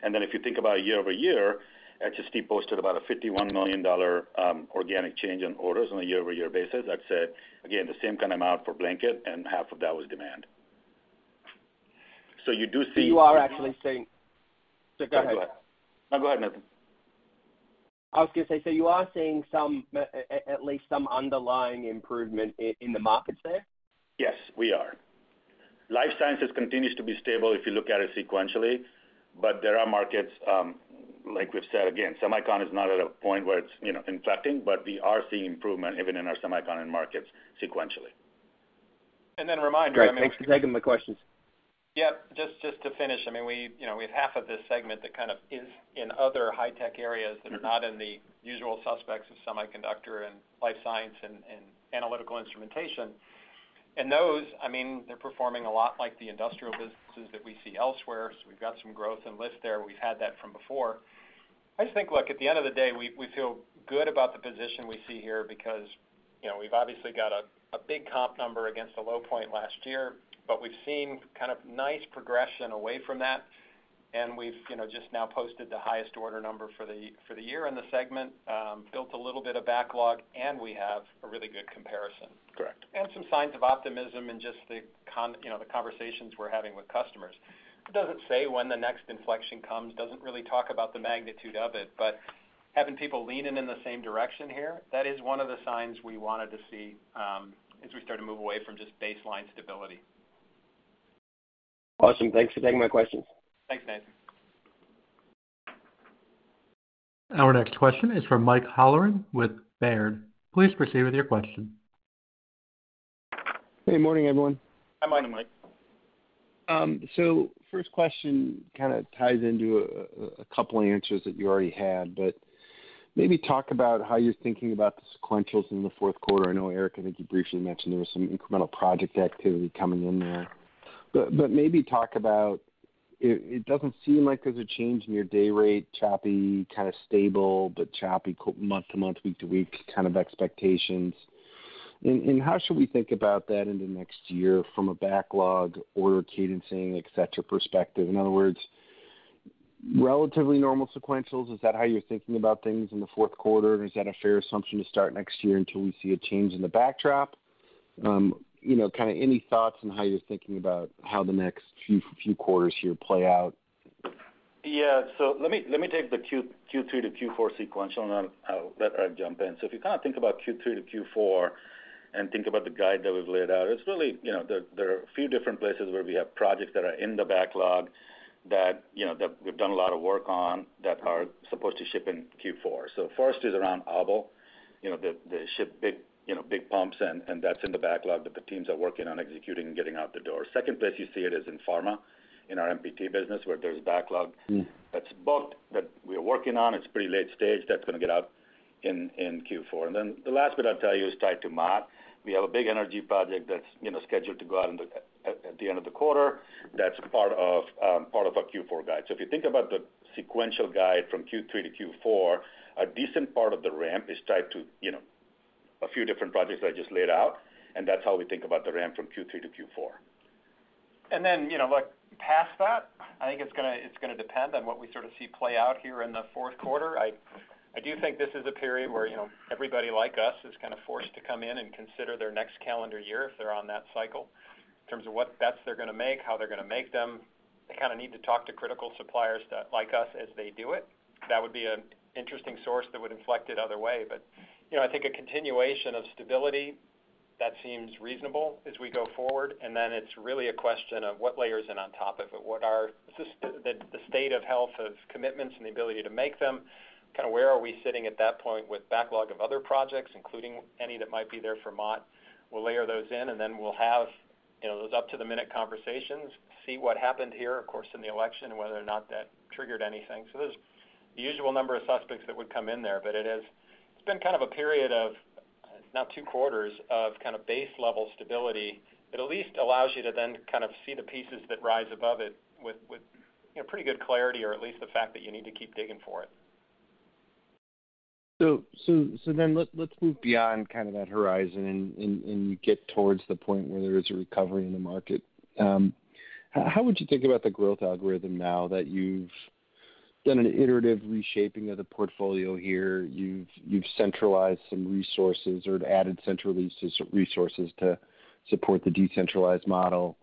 And then if you think about year over year, HST posted about a $51 million organic change in orders on a year-over-year basis. I'd say, again, the same kind of amount for blanket, and half of that was demand. So you do see. So you are actually seeing. Go ahead. No, go ahead, Nathan. I was going to say, so you are seeing at least some underlying improvement in the markets there? Yes, we are. Life sciences continues to be stable if you look at it sequentially. But there are markets, like we've said, again, semicon is not at a point where it's inflecting, but we are seeing improvement even in our semicon end markets sequentially. And then a reminder, I mean, thanks for taking my questions. Yep. Just to finish, I mean, we have half of this segment that kind of is in other high-tech areas that are not in the usual suspects of semiconductor and life science and analytical instrumentation. And those, I mean, they're performing a lot like the industrial businesses that we see elsewhere. So we've got some growth and lift there. We've had that from before. I just think, look, at the end of the day, we feel good about the position we see here because we've obviously got a big comp number against a low point last year, but we've seen kind of nice progression away from that. And we've just now posted the highest order number for the year in the segment, built a little bit of backlog, and we have a really good comparison. Correct. And some signs of optimism in just the conversations we're having with customers. It doesn't say when the next inflection comes, doesn't really talk about the magnitude of it. But having people leaning in the same direction here, that is one of the signs we wanted to see as we start to move away from just baseline stability. Awesome. Thanks for taking my questions. Thanks, Nathan. Our next question is from Mike Halloran with Baird. Please proceed with your question. Hey, morning, everyone. Hi, morning, Mike. So first question kind of ties into a couple of answers that you already had, but maybe talk about how you're thinking about the sequentials in the fourth quarter. I know, Eric, I think you briefly mentioned there was some incremental project activity coming in there. But maybe talk about it. It doesn't seem like there's a change in your day rate, choppy, kind of stable, but choppy month-to-month, week-to-week kind of expectations. And how should we think about that in the next year from a backlog, order cadencing, etc. perspective? In other words, relatively normal sequentials, is that how you're thinking about things in the fourth quarter? Is that a fair assumption to start next year until we see a change in the backdrop? Kind of any thoughts on how you're thinking about how the next few quarters here play out? Yeah. So let me take the Q3 to Q4 sequential, and I'll let Eric jump in. So if you kind of think about Q3 to Q4 and think about the guide that we've laid out, it's really there are a few different places where we have projects that are in the backlog that we've done a lot of work on that are supposed to ship in Q4. So first is around ABEL, shipping big pumps, and that's in the backlog that the teams are working on executing and getting out the door. Second place you see it is in pharma in our MPT business where there's backlog that's booked that we are working on. It's pretty late stage. That's going to get out in Q4. And then the last bit I'll tell you is tied to Mott. We have a big energy project that's scheduled to go out at the end of the quarter that's part of a Q4 guide. So if you think about the sequential guide from Q3 to Q4, a decent part of the ramp is tied to a few different projects that I just laid out. And that's how we think about the ramp from Q3 to Q4. And then, look, past that, I think it's going to depend on what we sort of see play out here in the fourth quarter. I do think this is a period where everybody like us is kind of forced to come in and consider their next calendar year if they're on that cycle in terms of what bets they're going to make, how they're going to make them. They kind of need to talk to critical suppliers like us as they do it. That would be an interesting source that would inflect it other way. But I think a continuation of stability that seems reasonable as we go forward. It is really a question of what layers in on top of it. What are the state of health of commitments and the ability to make them? Kind of where are we sitting at that point with backlog of other projects, including any that might be there for Mott? We will layer those in, and then we will have those up-to-the-minute conversations, see what happened here, of course, in the election and whether or not that triggered anything. So there's the usual number of suspects that would come in there, but it has been kind of a period of not two quarters of kind of base-level stability that at least allows you to then kind of see the pieces that rise above it with pretty good clarity or at least the fact that you need to keep digging for it. So then let's move beyond kind of that horizon and get towards the point where there is a recovery in the market. How would you think about the growth algorithm now that you've done an iterative reshaping of the portfolio here? You've centralized some resources or added central resources to support the decentralized model,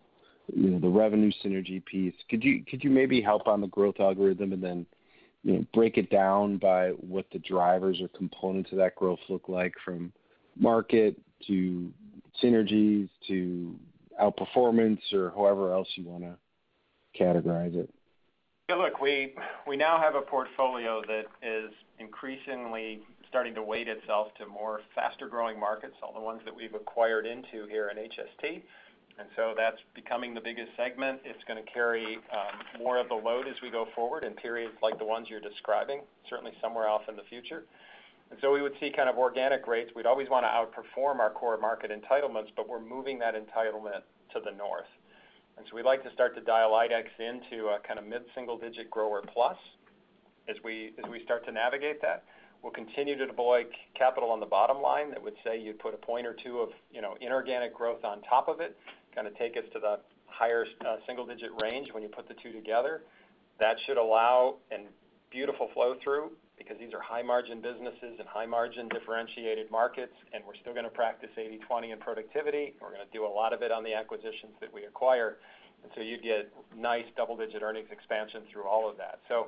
the revenue synergy piece. Could you maybe help on the growth algorithm and then break it down by what the drivers or components of that growth look like from market to synergies to outperformance or however else you want to categorize it? Yeah, look, we now have a portfolio that is increasingly starting to weight itself to more faster-growing markets, all the ones that we've acquired into here in HST. And so that's becoming the biggest segment. It's going to carry more of the load as we go forward in periods like the ones you're describing, certainly somewhere else in the future. And so we would see kind of organic rates. We'd always want to outperform our core market entitlements, but we're moving that entitlement to the north. And so we'd like to start to dial IDEX into a kind of mid-single-digit grower plus as we start to navigate that. We'll continue to deploy capital on the bottom line that would say you'd put a point or two of inorganic growth on top of it, kind of take us to the higher single-digit range when you put the two together. That should allow a beautiful flow-through because these are high-margin businesses and high-margin differentiated markets, and we're still going to practice 80/20 in productivity. We're going to do a lot of it on the acquisitions that we acquire. And so you'd get nice double-digit earnings expansion through all of that. So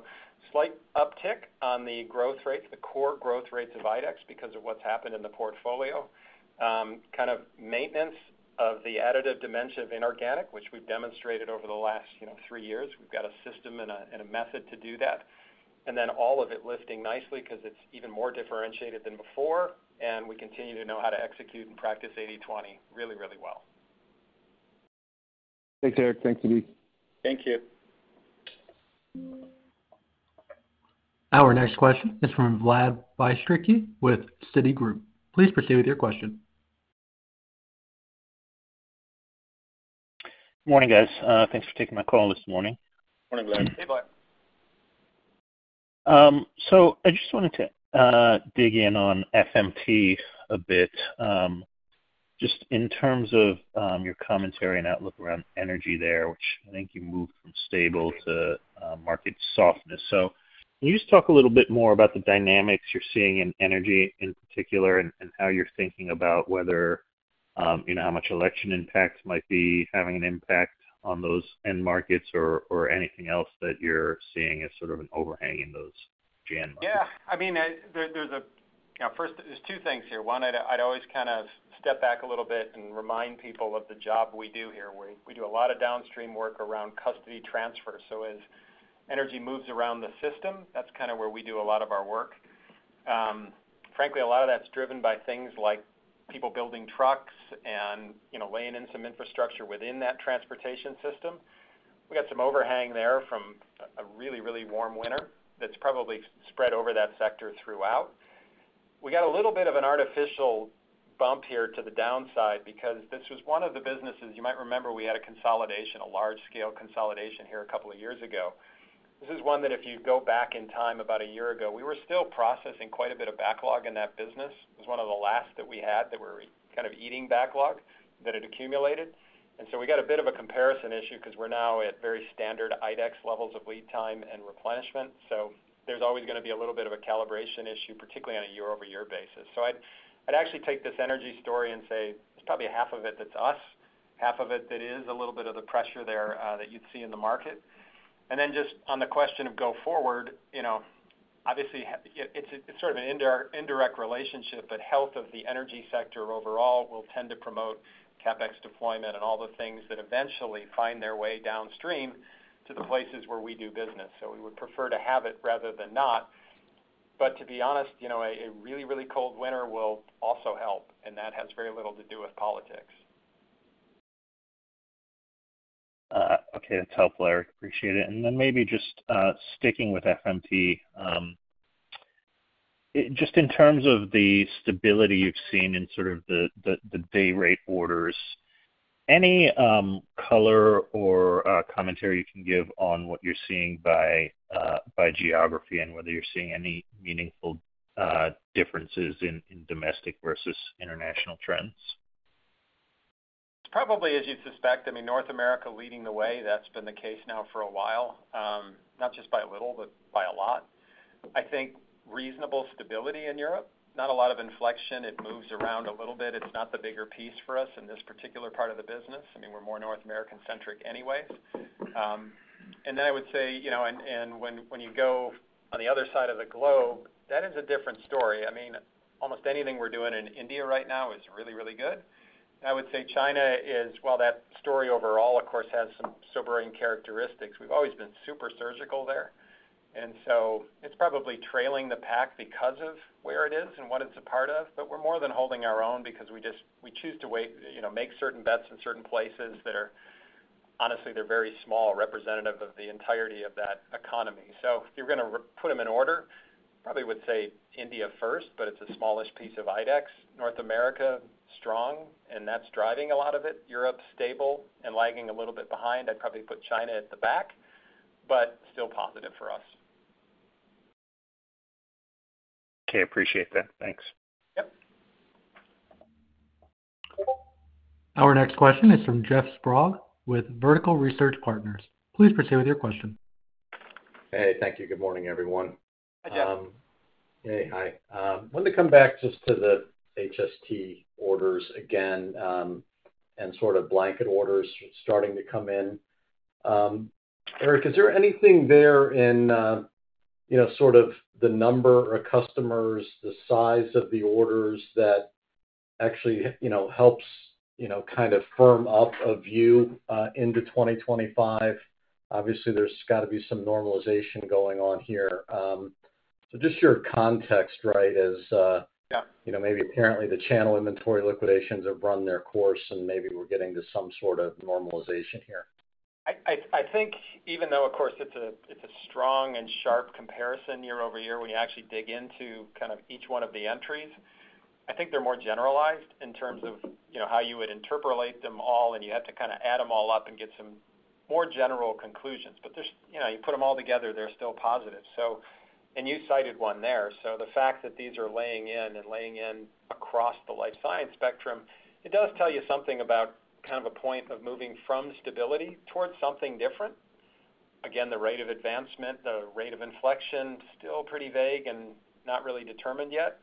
slight uptick on the growth rates, the core growth rates of IDEX because of what's happened in the portfolio, kind of maintenance of the additive dimension of inorganic, which we've demonstrated over the last three years. We've got a system and a method to do that. And then all of it lifting nicely because it's even more differentiated than before. And we continue to know how to execute and practice 80/20 really, really well. Thanks, Eric. Thanks, Nathan. Thank you. Our next question is from Vlad Bystricky with Citi. Please proceed with your question. Morning, guys. Thanks for taking my call this morning. Morning, Vlad. Hey, Vlad. So I just wanted to dig in on FMT a bit just in terms of your commentary and outlook around energy there, which I think you moved from stable to market softness. So can you just talk a little bit more about the dynamics you're seeing in energy in particular and how you're thinking about whether how much election impact might be having an impact on those end markets or anything else that you're seeing as sort of an overhang in those end markets? Yeah. I mean, there's a first, there's two things here. One, I'd always kind of step back a little bit and remind people of the job we do here. We do a lot of downstream work around custody transfer. So as energy moves around the system, that's kind of where we do a lot of our work. Frankly, a lot of that's driven by things like people building trucks and laying in some infrastructure within that transportation system. We got some overhang there from a really, really warm winter that's probably spread over that sector throughout. We got a little bit of an artificial bump here to the downside because this was one of the businesses you might remember we had a consolidation, a large-scale consolidation here a couple of years ago. This is one that if you go back in time about a year ago, we were still processing quite a bit of backlog in that business. It was one of the last that we had that were kind of eating backlog that had accumulated. And so we got a bit of a comparison issue because we're now at very standard IDEX levels of lead time and replenishment. So there's always going to be a little bit of a calibration issue, particularly on a year-over-year basis. So I'd actually take this energy story and say there's probably half of it that's us, half of it that is a little bit of the pressure there that you'd see in the market. And then just on the question of going forward, obviously, it's sort of an indirect relationship, but health of the energy sector overall will tend to promote CapEx deployment and all the things that eventually find their way downstream to the places where we do business. So we would prefer to have it rather than not. But to be honest, a really, really cold winter will also help, and that has very little to do with politics. Okay. That's helpful, Eric. Appreciate it. And then maybe just sticking with FMT, just in terms of the stability you've seen in sort of the day rate orders, any color or commentary you can give on what you're seeing by geography and whether you're seeing any meaningful differences in domestic versus international trends? Probably, as you'd suspect. I mean, North America leading the way. That's been the case now for a while, not just by a little, but by a lot. I think reasonable stability in Europe. Not a lot of inflection. It moves around a little bit. It's not the bigger piece for us in this particular part of the business. I mean, we're more North American-centric anyways. And then I would say, and when you go on the other side of the globe, that is a different story. I mean, almost anything we're doing in India right now is really, really good. I would say China is, while that story overall, of course, has some sobering characteristics, we've always been super surgical there. And so it's probably trailing the pack because of where it is and what it's a part of. But we're more than holding our own because we choose to make certain bets in certain places that are, honestly, they're very small, representative of the entirety of that economy. So if you're going to put them in order, probably would say India first, but it's the smallest piece of IDEX. North America, strong, and that's driving a lot of it. Europe, stable and lagging a little bit behind. I'd probably put China at the back, but still positive for us. Okay. Appreciate that. Thanks. Yep. Our next question is from Jeff Sprague with Vertical Research Partners. Please proceed with your question. Hey, thank you. Good morning, everyone. Hi, Jeff. Hey, hi. I wanted to come back just to the HST orders again and sort of blanket orders starting to come in. Eric, is there anything there in sort of the number or customers, the size of the orders that actually helps kind of firm up a view into 2025? Obviously, there's got to be some normalization going on here. So just your context, right, as maybe apparently the channel inventory liquidations have run their course, and maybe we're getting to some sort of normalization here. I think even though, of course, it's a strong and sharp comparison year over year when you actually dig into kind of each one of the entries, I think they're more generalized in terms of how you would interpolate them all, and you have to kind of add them all up and get some more general conclusions. But you put them all together, they're still positive. And you cited one there. So the fact that these are laying in across the life science spectrum, it does tell you something about kind of a point of moving from stability towards something different. Again, the rate of advancement, the rate of inflection, still pretty vague and not really determined yet.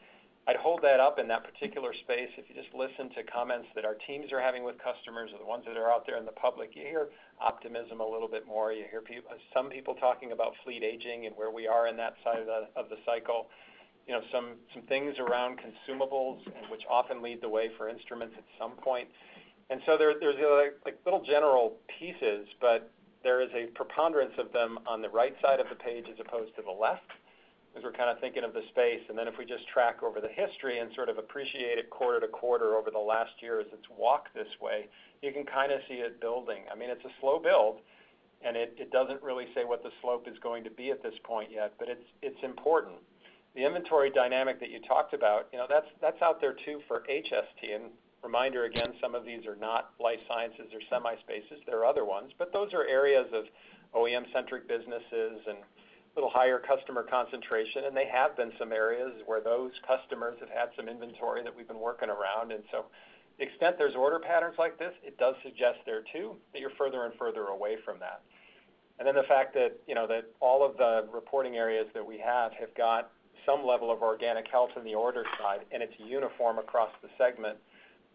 I'd hold that up in that particular space. If you just listen to comments that our teams are having with customers or the ones that are out there in the public, you hear optimism a little bit more. You hear some people talking about fleet aging and where we are in that side of the cycle, some things around consumables which often lead the way for instruments at some point. And so there's little general pieces, but there is a preponderance of them on the right side of the page as opposed to the left as we're kind of thinking of the space. And then if we just track over the history and sort of appreciate it quarter to quarter over the last year as it's walked this way, you can kind of see it building. I mean, it's a slow build, and it doesn't really say what the slope is going to be at this point yet, but it's important. The inventory dynamic that you talked about, that's out there too for HST. And reminder, again, some of these are not life sciences or semi-spaces. There are other ones, but those are areas of OEM-centric businesses and a little higher customer concentration. And there have been some areas where those customers have had some inventory that we've been working around. And so to the extent there's order patterns like this, it does suggest there too that you're further and further away from that. And then the fact that all of the reporting areas that we have have got some level of organic health in the order side, and it's uniform across the segment,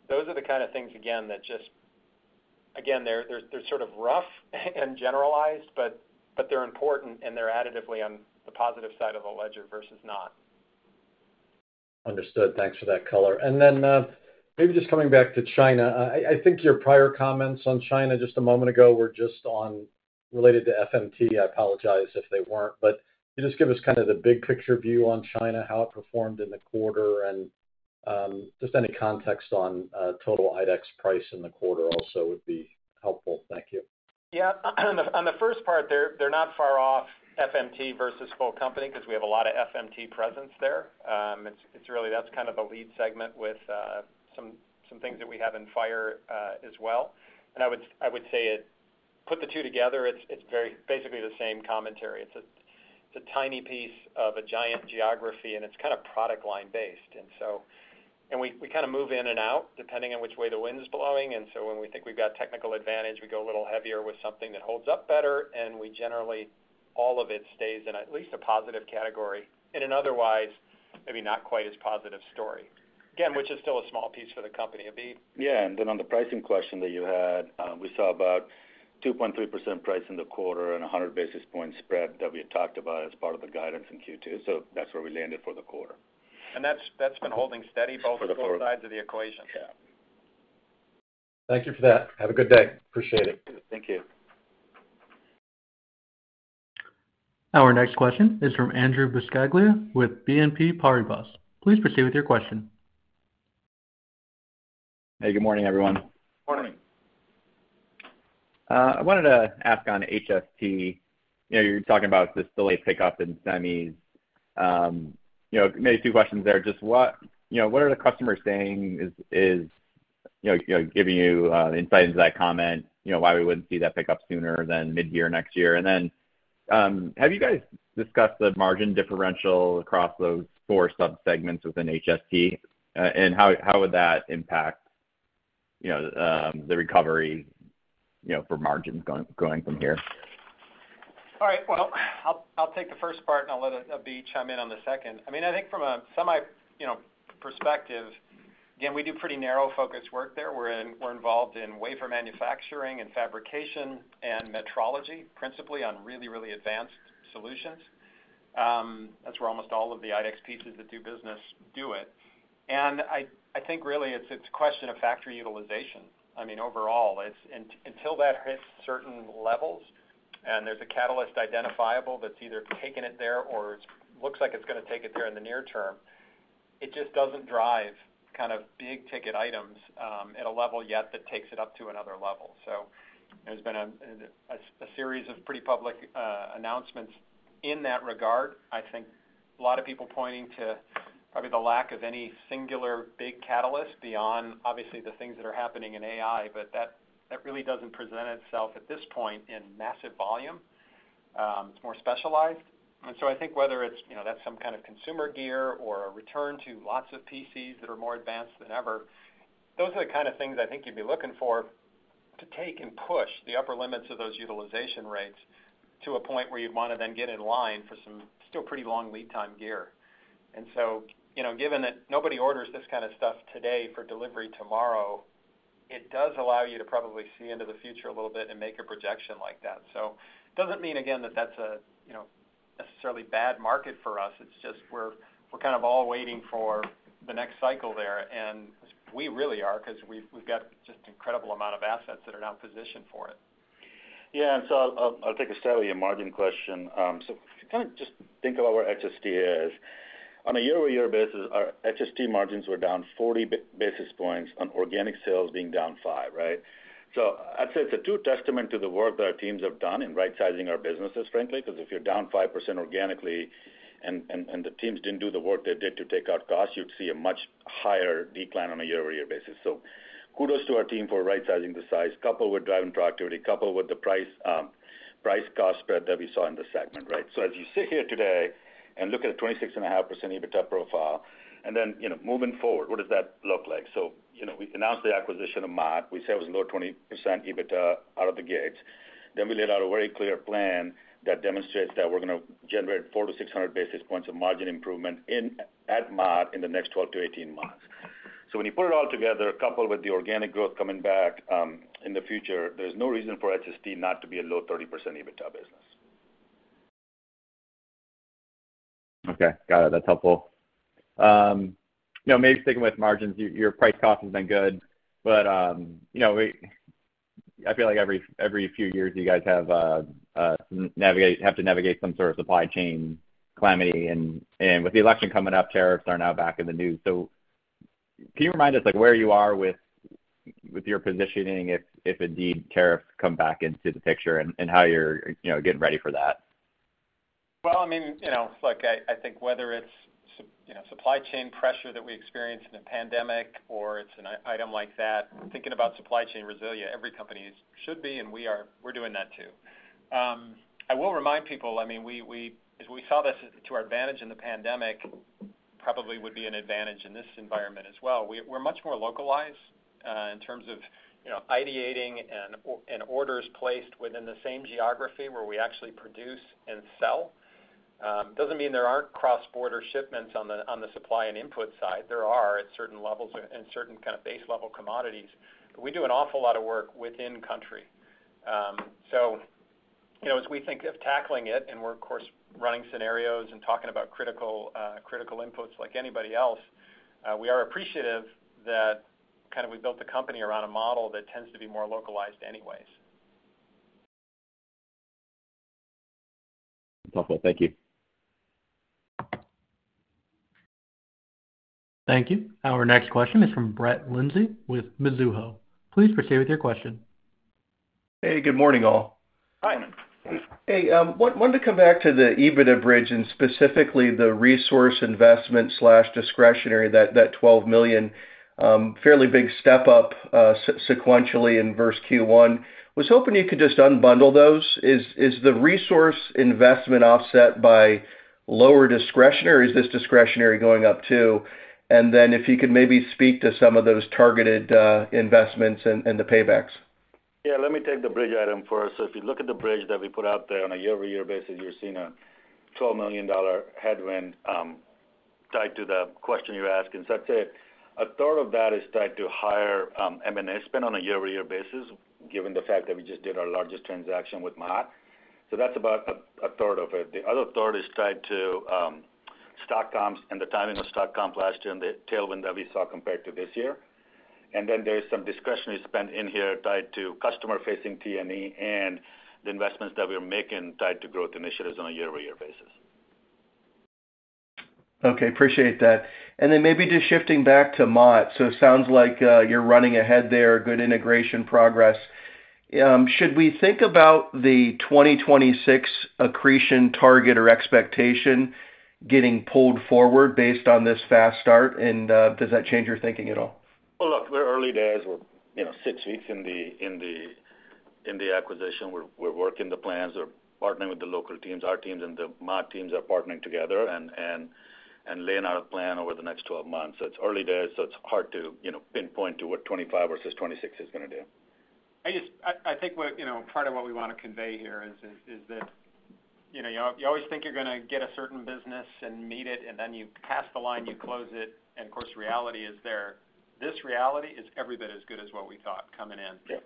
those are the kind of things, again, that just, again, they're sort of rough and generalized, but they're important, and they're additively on the positive side of the ledger versus not. Understood. Thanks for that color. And then maybe just coming back to China, I think your prior comments on China just a moment ago were just related to FMT. I apologize if they weren't, but could you just give us kind of the big-picture view on China, how it performed in the quarter, and just any context on total IDEX pricing in the quarter also would be helpful? Thank you. Yeah. On the first part, they're not far off FMT versus full company because we have a lot of FMT presence there. It's really that's kind of the lead segment with some things that we have in fire as well. And I would say put the two together, it's basically the same commentary. It's a tiny piece of a giant geography, and it's kind of product line-based. And we kind of move in and out depending on which way the wind's blowing. And so when we think we've got technical advantage, we go a little heavier with something that holds up better, and generally, all of it stays in at least a positive category in an otherwise maybe not quite as positive story, again, which is still a small piece for the company. Yeah. And then on the pricing question that you had, we saw about 2.3% price in the quarter and 100 basis points spread that we had talked about as part of the guidance in Q2. So that's where we landed for the quarter. And that's been holding steady both on both sides of the equation. Yeah. Thank you for that. Have a good day. Appreciate it. Thank you. Our next question is from Andrew Buscaglia with BNP Paribas. Please proceed with your question. Hey, good morning, everyone. Morning. I wanted to ask on HST, you're talking about this delayed pickup in semis. Maybe two questions there. Just what are the customers saying is giving you insight into that comment, why we wouldn't see that pickup sooner than mid-year next year? And then have you guys discussed the margin differential across those four subsegments within HST, and how would that impact the recovery for margins going from here? All right. Well, I'll take the first part, and I'll let Abhi chime in on the second. I mean, I think from a semi perspective, again, we do pretty narrow-focused work there. We're involved in wafer manufacturing and fabrication and metrology, principally on really, really advanced solutions. That's where almost all of the IDEX pieces that do business do it. And I think really it's a question of factory utilization. I mean, overall, until that hits certain levels and there's a catalyst identifiable that's either taking it there or looks like it's going to take it there in the near term, it just doesn't drive kind of big-ticket items at a level yet that takes it up to another level. So there's been a series of pretty public announcements in that regard. I think a lot of people pointing to probably the lack of any singular big catalyst beyond, obviously, the things that are happening in AI, but that really doesn't present itself at this point in massive volume. It's more specialized. And so I think whether it's that some kind of consumer gear or a return to lots of PCs that are more advanced than ever, those are the kind of things I think you'd be looking for to take and push the upper limits of those utilization rates to a point where you'd want to then get in line for some still pretty long lead-time gear. And so given that nobody orders this kind of stuff today for delivery tomorrow, it does allow you to probably see into the future a little bit and make a projection like that. So it doesn't mean, again, that that's a necessarily bad market for us. It's just we're kind of all waiting for the next cycle there. And we really are because we've got just an incredible amount of assets that are now positioned for it. Yeah. I'll take a step at your margin question. So kind of just think about where HST is. On a year-over-year basis, our HST margins were down 40 basis points on organic sales being down 5%, right? So I'd say it's a true testament to the work that our teams have done in right-sizing our businesses, frankly, because if you're down 5% organically and the teams didn't do the work they did to take out costs, you'd see a much higher decline on a year-over-year basis. So kudos to our team for right-sizing the size, coupled with driving productivity, coupled with the price-cost spread that we saw in the segment, right? So as you sit here today and look at a 26.5% EBITDA profile, and then moving forward, what does that look like? So we announced the acquisition of Mott. We said it was a low 20% EBITDA out of the gates. Then we laid out a very clear plan that demonstrates that we're going to generate 400-600 basis points of margin improvement at Mott in the next 12-18 months. So when you put it all together, coupled with the organic growth coming back in the future, there's no reason for HST not to be a low 30% EBITDA business. Okay. Got it. That's helpful. Maybe sticking with margins, your price cost has been good, but I feel like every few years you guys have to navigate some sort of supply chain calamity, and with the election coming up, tariffs are now back in the news. So can you remind us where you are with your positioning if indeed tariffs come back into the picture and how you're getting ready for that? I mean, look, I think whether it's supply chain pressure that we experienced in the pandemic or it's an item like that, thinking about supply chain resilience, every company should be, and we're doing that too. I will remind people, I mean, as we saw this to our advantage in the pandemic, probably would be an advantage in this environment as well. We're much more localized in terms of ideating and orders placed within the same geography where we actually produce and sell. It doesn't mean there aren't cross-border shipments on the supply and input side. There are at certain levels and certain kind of base-level commodities, but we do an awful lot of work within country. So as we think of tackling it, and we're, of course, running scenarios and talking about critical inputs like anybody else, we are appreciative that kind of we built the company around a model that tends to be more localized anyways. Helpful. Thank you. Thank you. Our next question is from Brett Linzey with Mizuho. Please proceed with your question. Hey, good morning, all. Hi. Hey. I wanted to come back to the EBITDA bridge and specifically the resource investment/discretionary, that $12 million, fairly big step-up sequentially versus Q1. I was hoping you could just unbundle those. Is the resource investment offset by lower discretionary, or is this discretionary going up too? And then if you could maybe speak to some of those targeted investments and the paybacks. Yeah. Let me take the bridge item first. If you look at the bridge that we put out there on a year-over-year basis, you're seeing a $12 million headwind tied to the question you're asking. I'd say a third of that is tied to higher M&A spend on a year-over-year basis, given the fact that we just did our largest transaction with Mott. That's about a third of it. The other third is tied to stock comps and the timing of stock comp last year and the tailwind that we saw compared to this year. Then there's some discretionary spend in here tied to customer-facing T&E and the investments that we're making tied to growth initiatives on a year-over-year basis. Okay. Appreciate that. Then maybe just shifting back to Mott. It sounds like you're running ahead there, good integration progress. Should we think about the 2026 accretion target or expectation getting pulled forward based on this fast start, and does that change your thinking at all? Well, look, we're early days. We're six weeks in the acquisition. We're working the plans. We're partnering with the local teams. Our teams and the Mott teams are partnering together and laying out a plan over the next 12 months. So it's early days, so it's hard to pinpoint to what 2025 versus 2026 is going to do. I think part of what we want to convey here is that you always think you're going to get a certain business and meet it, and then you pass the line, you close it, and of course, reality is there. This reality is every bit as good as what we thought coming in.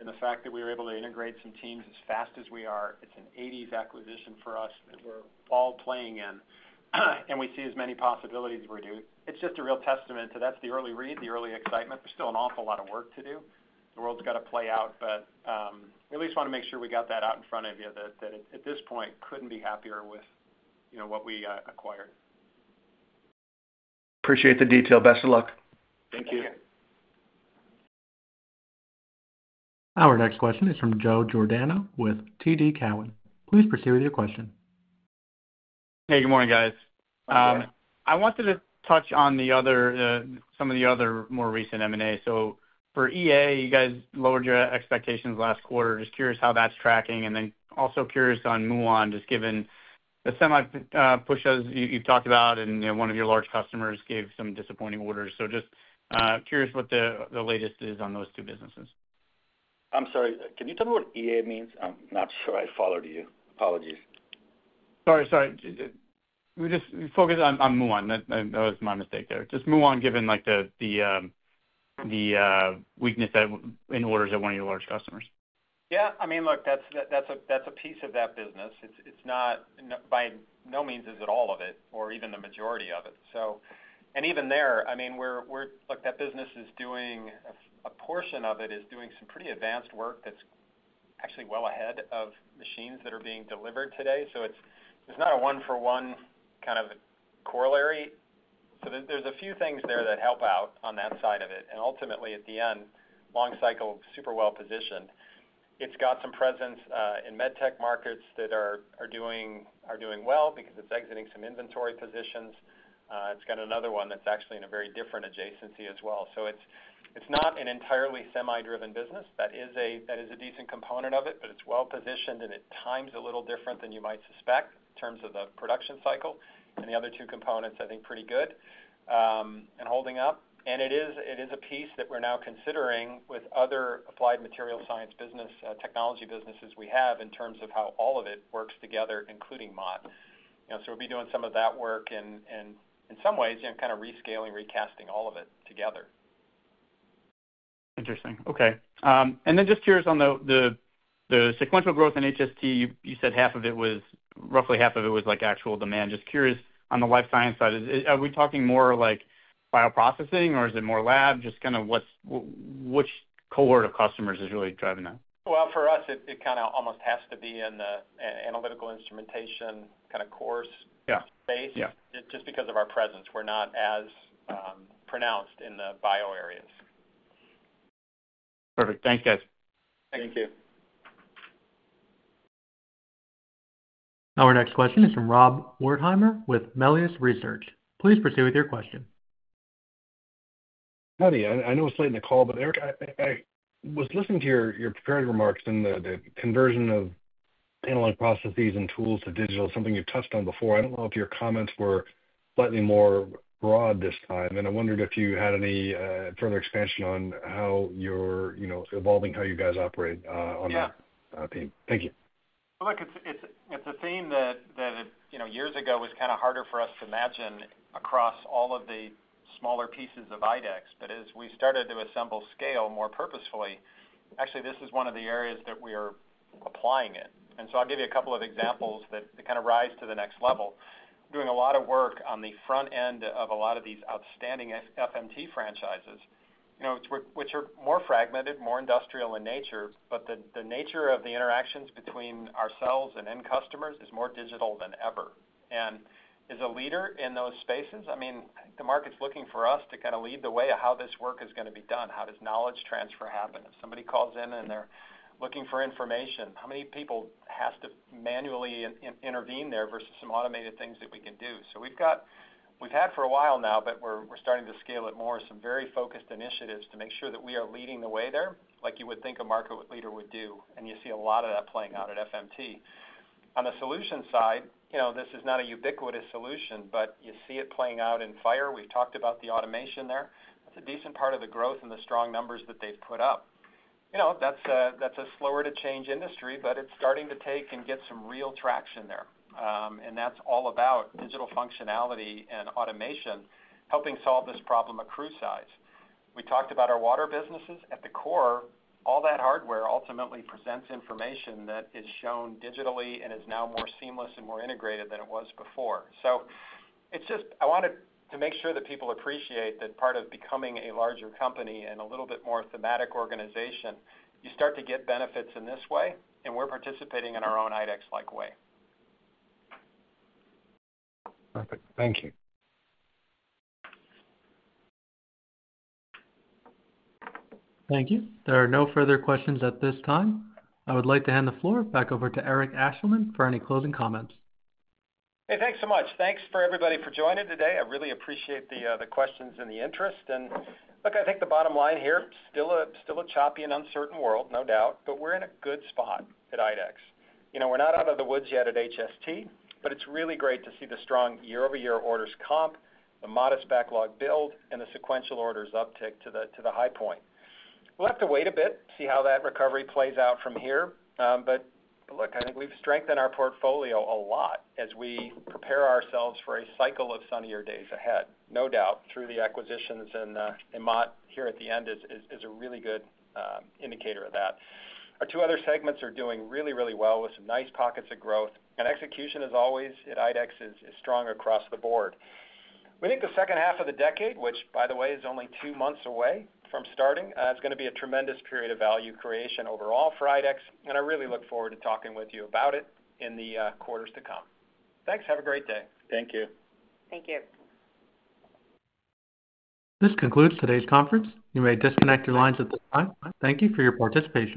And the fact that we were able to integrate some teams as fast as we are, it's an 80/20 acquisition for us that we're all playing in, and we see as many possibilities as we're doing. It's just a real testament to that's the early read, the early excitement. There's still an awful lot of work to do. The world's got to play out, but we at least want to make sure we got that out in front of you that at this point, couldn't be happier with what we acquired. Appreciate the detail. Best of luck. Thank you. Our next question is from Joe Giordano with TD Cowen. Please proceed with your question. Hey, good morning, guys. I wanted to touch on some of the other more recent M&A. So for EA, you guys lowered your expectations last quarter. Just curious how that's tracking, and then also curious on Muon, just given the semi pushes you've talked about, and one of your large customers gave some disappointing orders. So just curious what the latest is on those two businesses. I'm sorry. Can you tell me what EA means? I'm not sure I followed you. Apologies. We just focused on Muon. That was my mistake there. Just Muon, given the weakness in orders at one of your large customers. Yeah. I mean, look, that's a piece of that business. By no means is it all of it or even the majority of it. And even there, I mean, look, that business is doing a portion of it is doing some pretty advanced work that's actually well ahead of machines that are being delivered today. So it's not a one-for-one kind of corollary. So there's a few things there that help out on that side of it. And ultimately, at the end, long cycle, super well-positioned. It's got some presence in med tech markets that are doing well because it's exiting some inventory positions. It's got another one that's actually in a very different adjacency as well. So it's not an entirely semi-driven business. That is a decent component of it, but it's well-positioned, and it times a little different than you might suspect in terms of the production cycle. And the other two components, I think, pretty good and holding up. And it is a piece that we're now considering with other applied materials science technology businesses we have in terms of how all of it works together, including MPT. So we'll be doing some of that work and in some ways, kind of rescaling, recasting all of it together. Interesting. Okay. And then just curious on the sequential growth in HST. You said half of it was roughly actual demand. Just curious on the life science side, are we talking more like bioprocessing, or is it more lab? Just kind of which cohort of customers is really driving that? Well, for us, it kind of almost has to be in the analytical instrumentation kind of course space just because of our presence. We're not as pronounced in the bio areas. Perfect. Thanks, guys. Thank you. Our next question is from Rob Wertheimer with Melius Research. Please proceed with your question. Howdy. I know it's late in the call, but Eric, I was listening to your prepared remarks and the conversion of analog processes and tools to digital, something you've touched on before. I don't know if your comments were slightly more broad this time, and I wondered if you had any further expansion on how you're evolving, how you guys operate on that theme. Thank you. Well, look, it's a theme that years ago was kind of harder for us to imagine across all of the smaller pieces of IDEX. But as we started to assemble scale more purposefully, actually, this is one of the areas that we are applying it. And so I'll give you a couple of examples that kind of rise to the next level. We're doing a lot of work on the front end of a lot of these outstanding FMT franchises, which are more fragmented, more industrial in nature, but the nature of the interactions between ourselves and end customers is more digital than ever. As a leader in those spaces, I mean, the market's looking for us to kind of lead the way of how this work is going to be done. How does knowledge transfer happen? If somebody calls in and they're looking for information, how many people have to manually intervene there versus some automated things that we can do? We've had for a while now, but we're starting to scale it more, some very focused initiatives to make sure that we are leading the way there, like you would think a market leader would do. You see a lot of that playing out at FMT. On the solution side, this is not a ubiquitous solution, but you see it playing out in Fire. We've talked about the automation there. That's a decent part of the growth and the strong numbers that they've put up. That's a slower-to-change industry, but it's starting to take and get some real traction there. And that's all about digital functionality and automation helping solve this problem across size. We talked about our water businesses. At the core, all that hardware ultimately presents information that is shown digitally and is now more seamless and more integrated than it was before. So I wanted to make sure that people appreciate that part of becoming a larger company and a little bit more thematic organization, you start to get benefits in this way, and we're participating in our own IDEX-like way. Perfect. Thank you. Thank you. There are no further questions at this time. I would like to hand the floor back over to Eric Ashleman for any closing comments. Hey, thanks so much. Thanks for everybody for joining today. I really appreciate the questions and the interest. Look, I think the bottom line here, still a choppy and uncertain world, no doubt, but we're in a good spot at IDEX. We're not out of the woods yet at HST, but it's really great to see the strong year-over-year orders comp, the modest backlog build, and the sequential orders uptick to the high point. We'll have to wait a bit, see how that recovery plays out from here. Look, I think we've strengthened our portfolio a lot as we prepare ourselves for a cycle of sunnier days ahead, no doubt, through the acquisitions and MPT here at the end is a really good indicator of that. Our two other segments are doing really, really well with some nice pockets of growth. Execution, as always at IDEX, is strong across the board. We think the second half of the decade, which, by the way, is only two months away from starting, is going to be a tremendous period of value creation overall for IDEX. And I really look forward to talking with you about it in the quarters to come. Thanks. Have a great day. Thank you. Thank you. This concludes today's conference. You may disconnect your lines at this time. Thank you for your participation.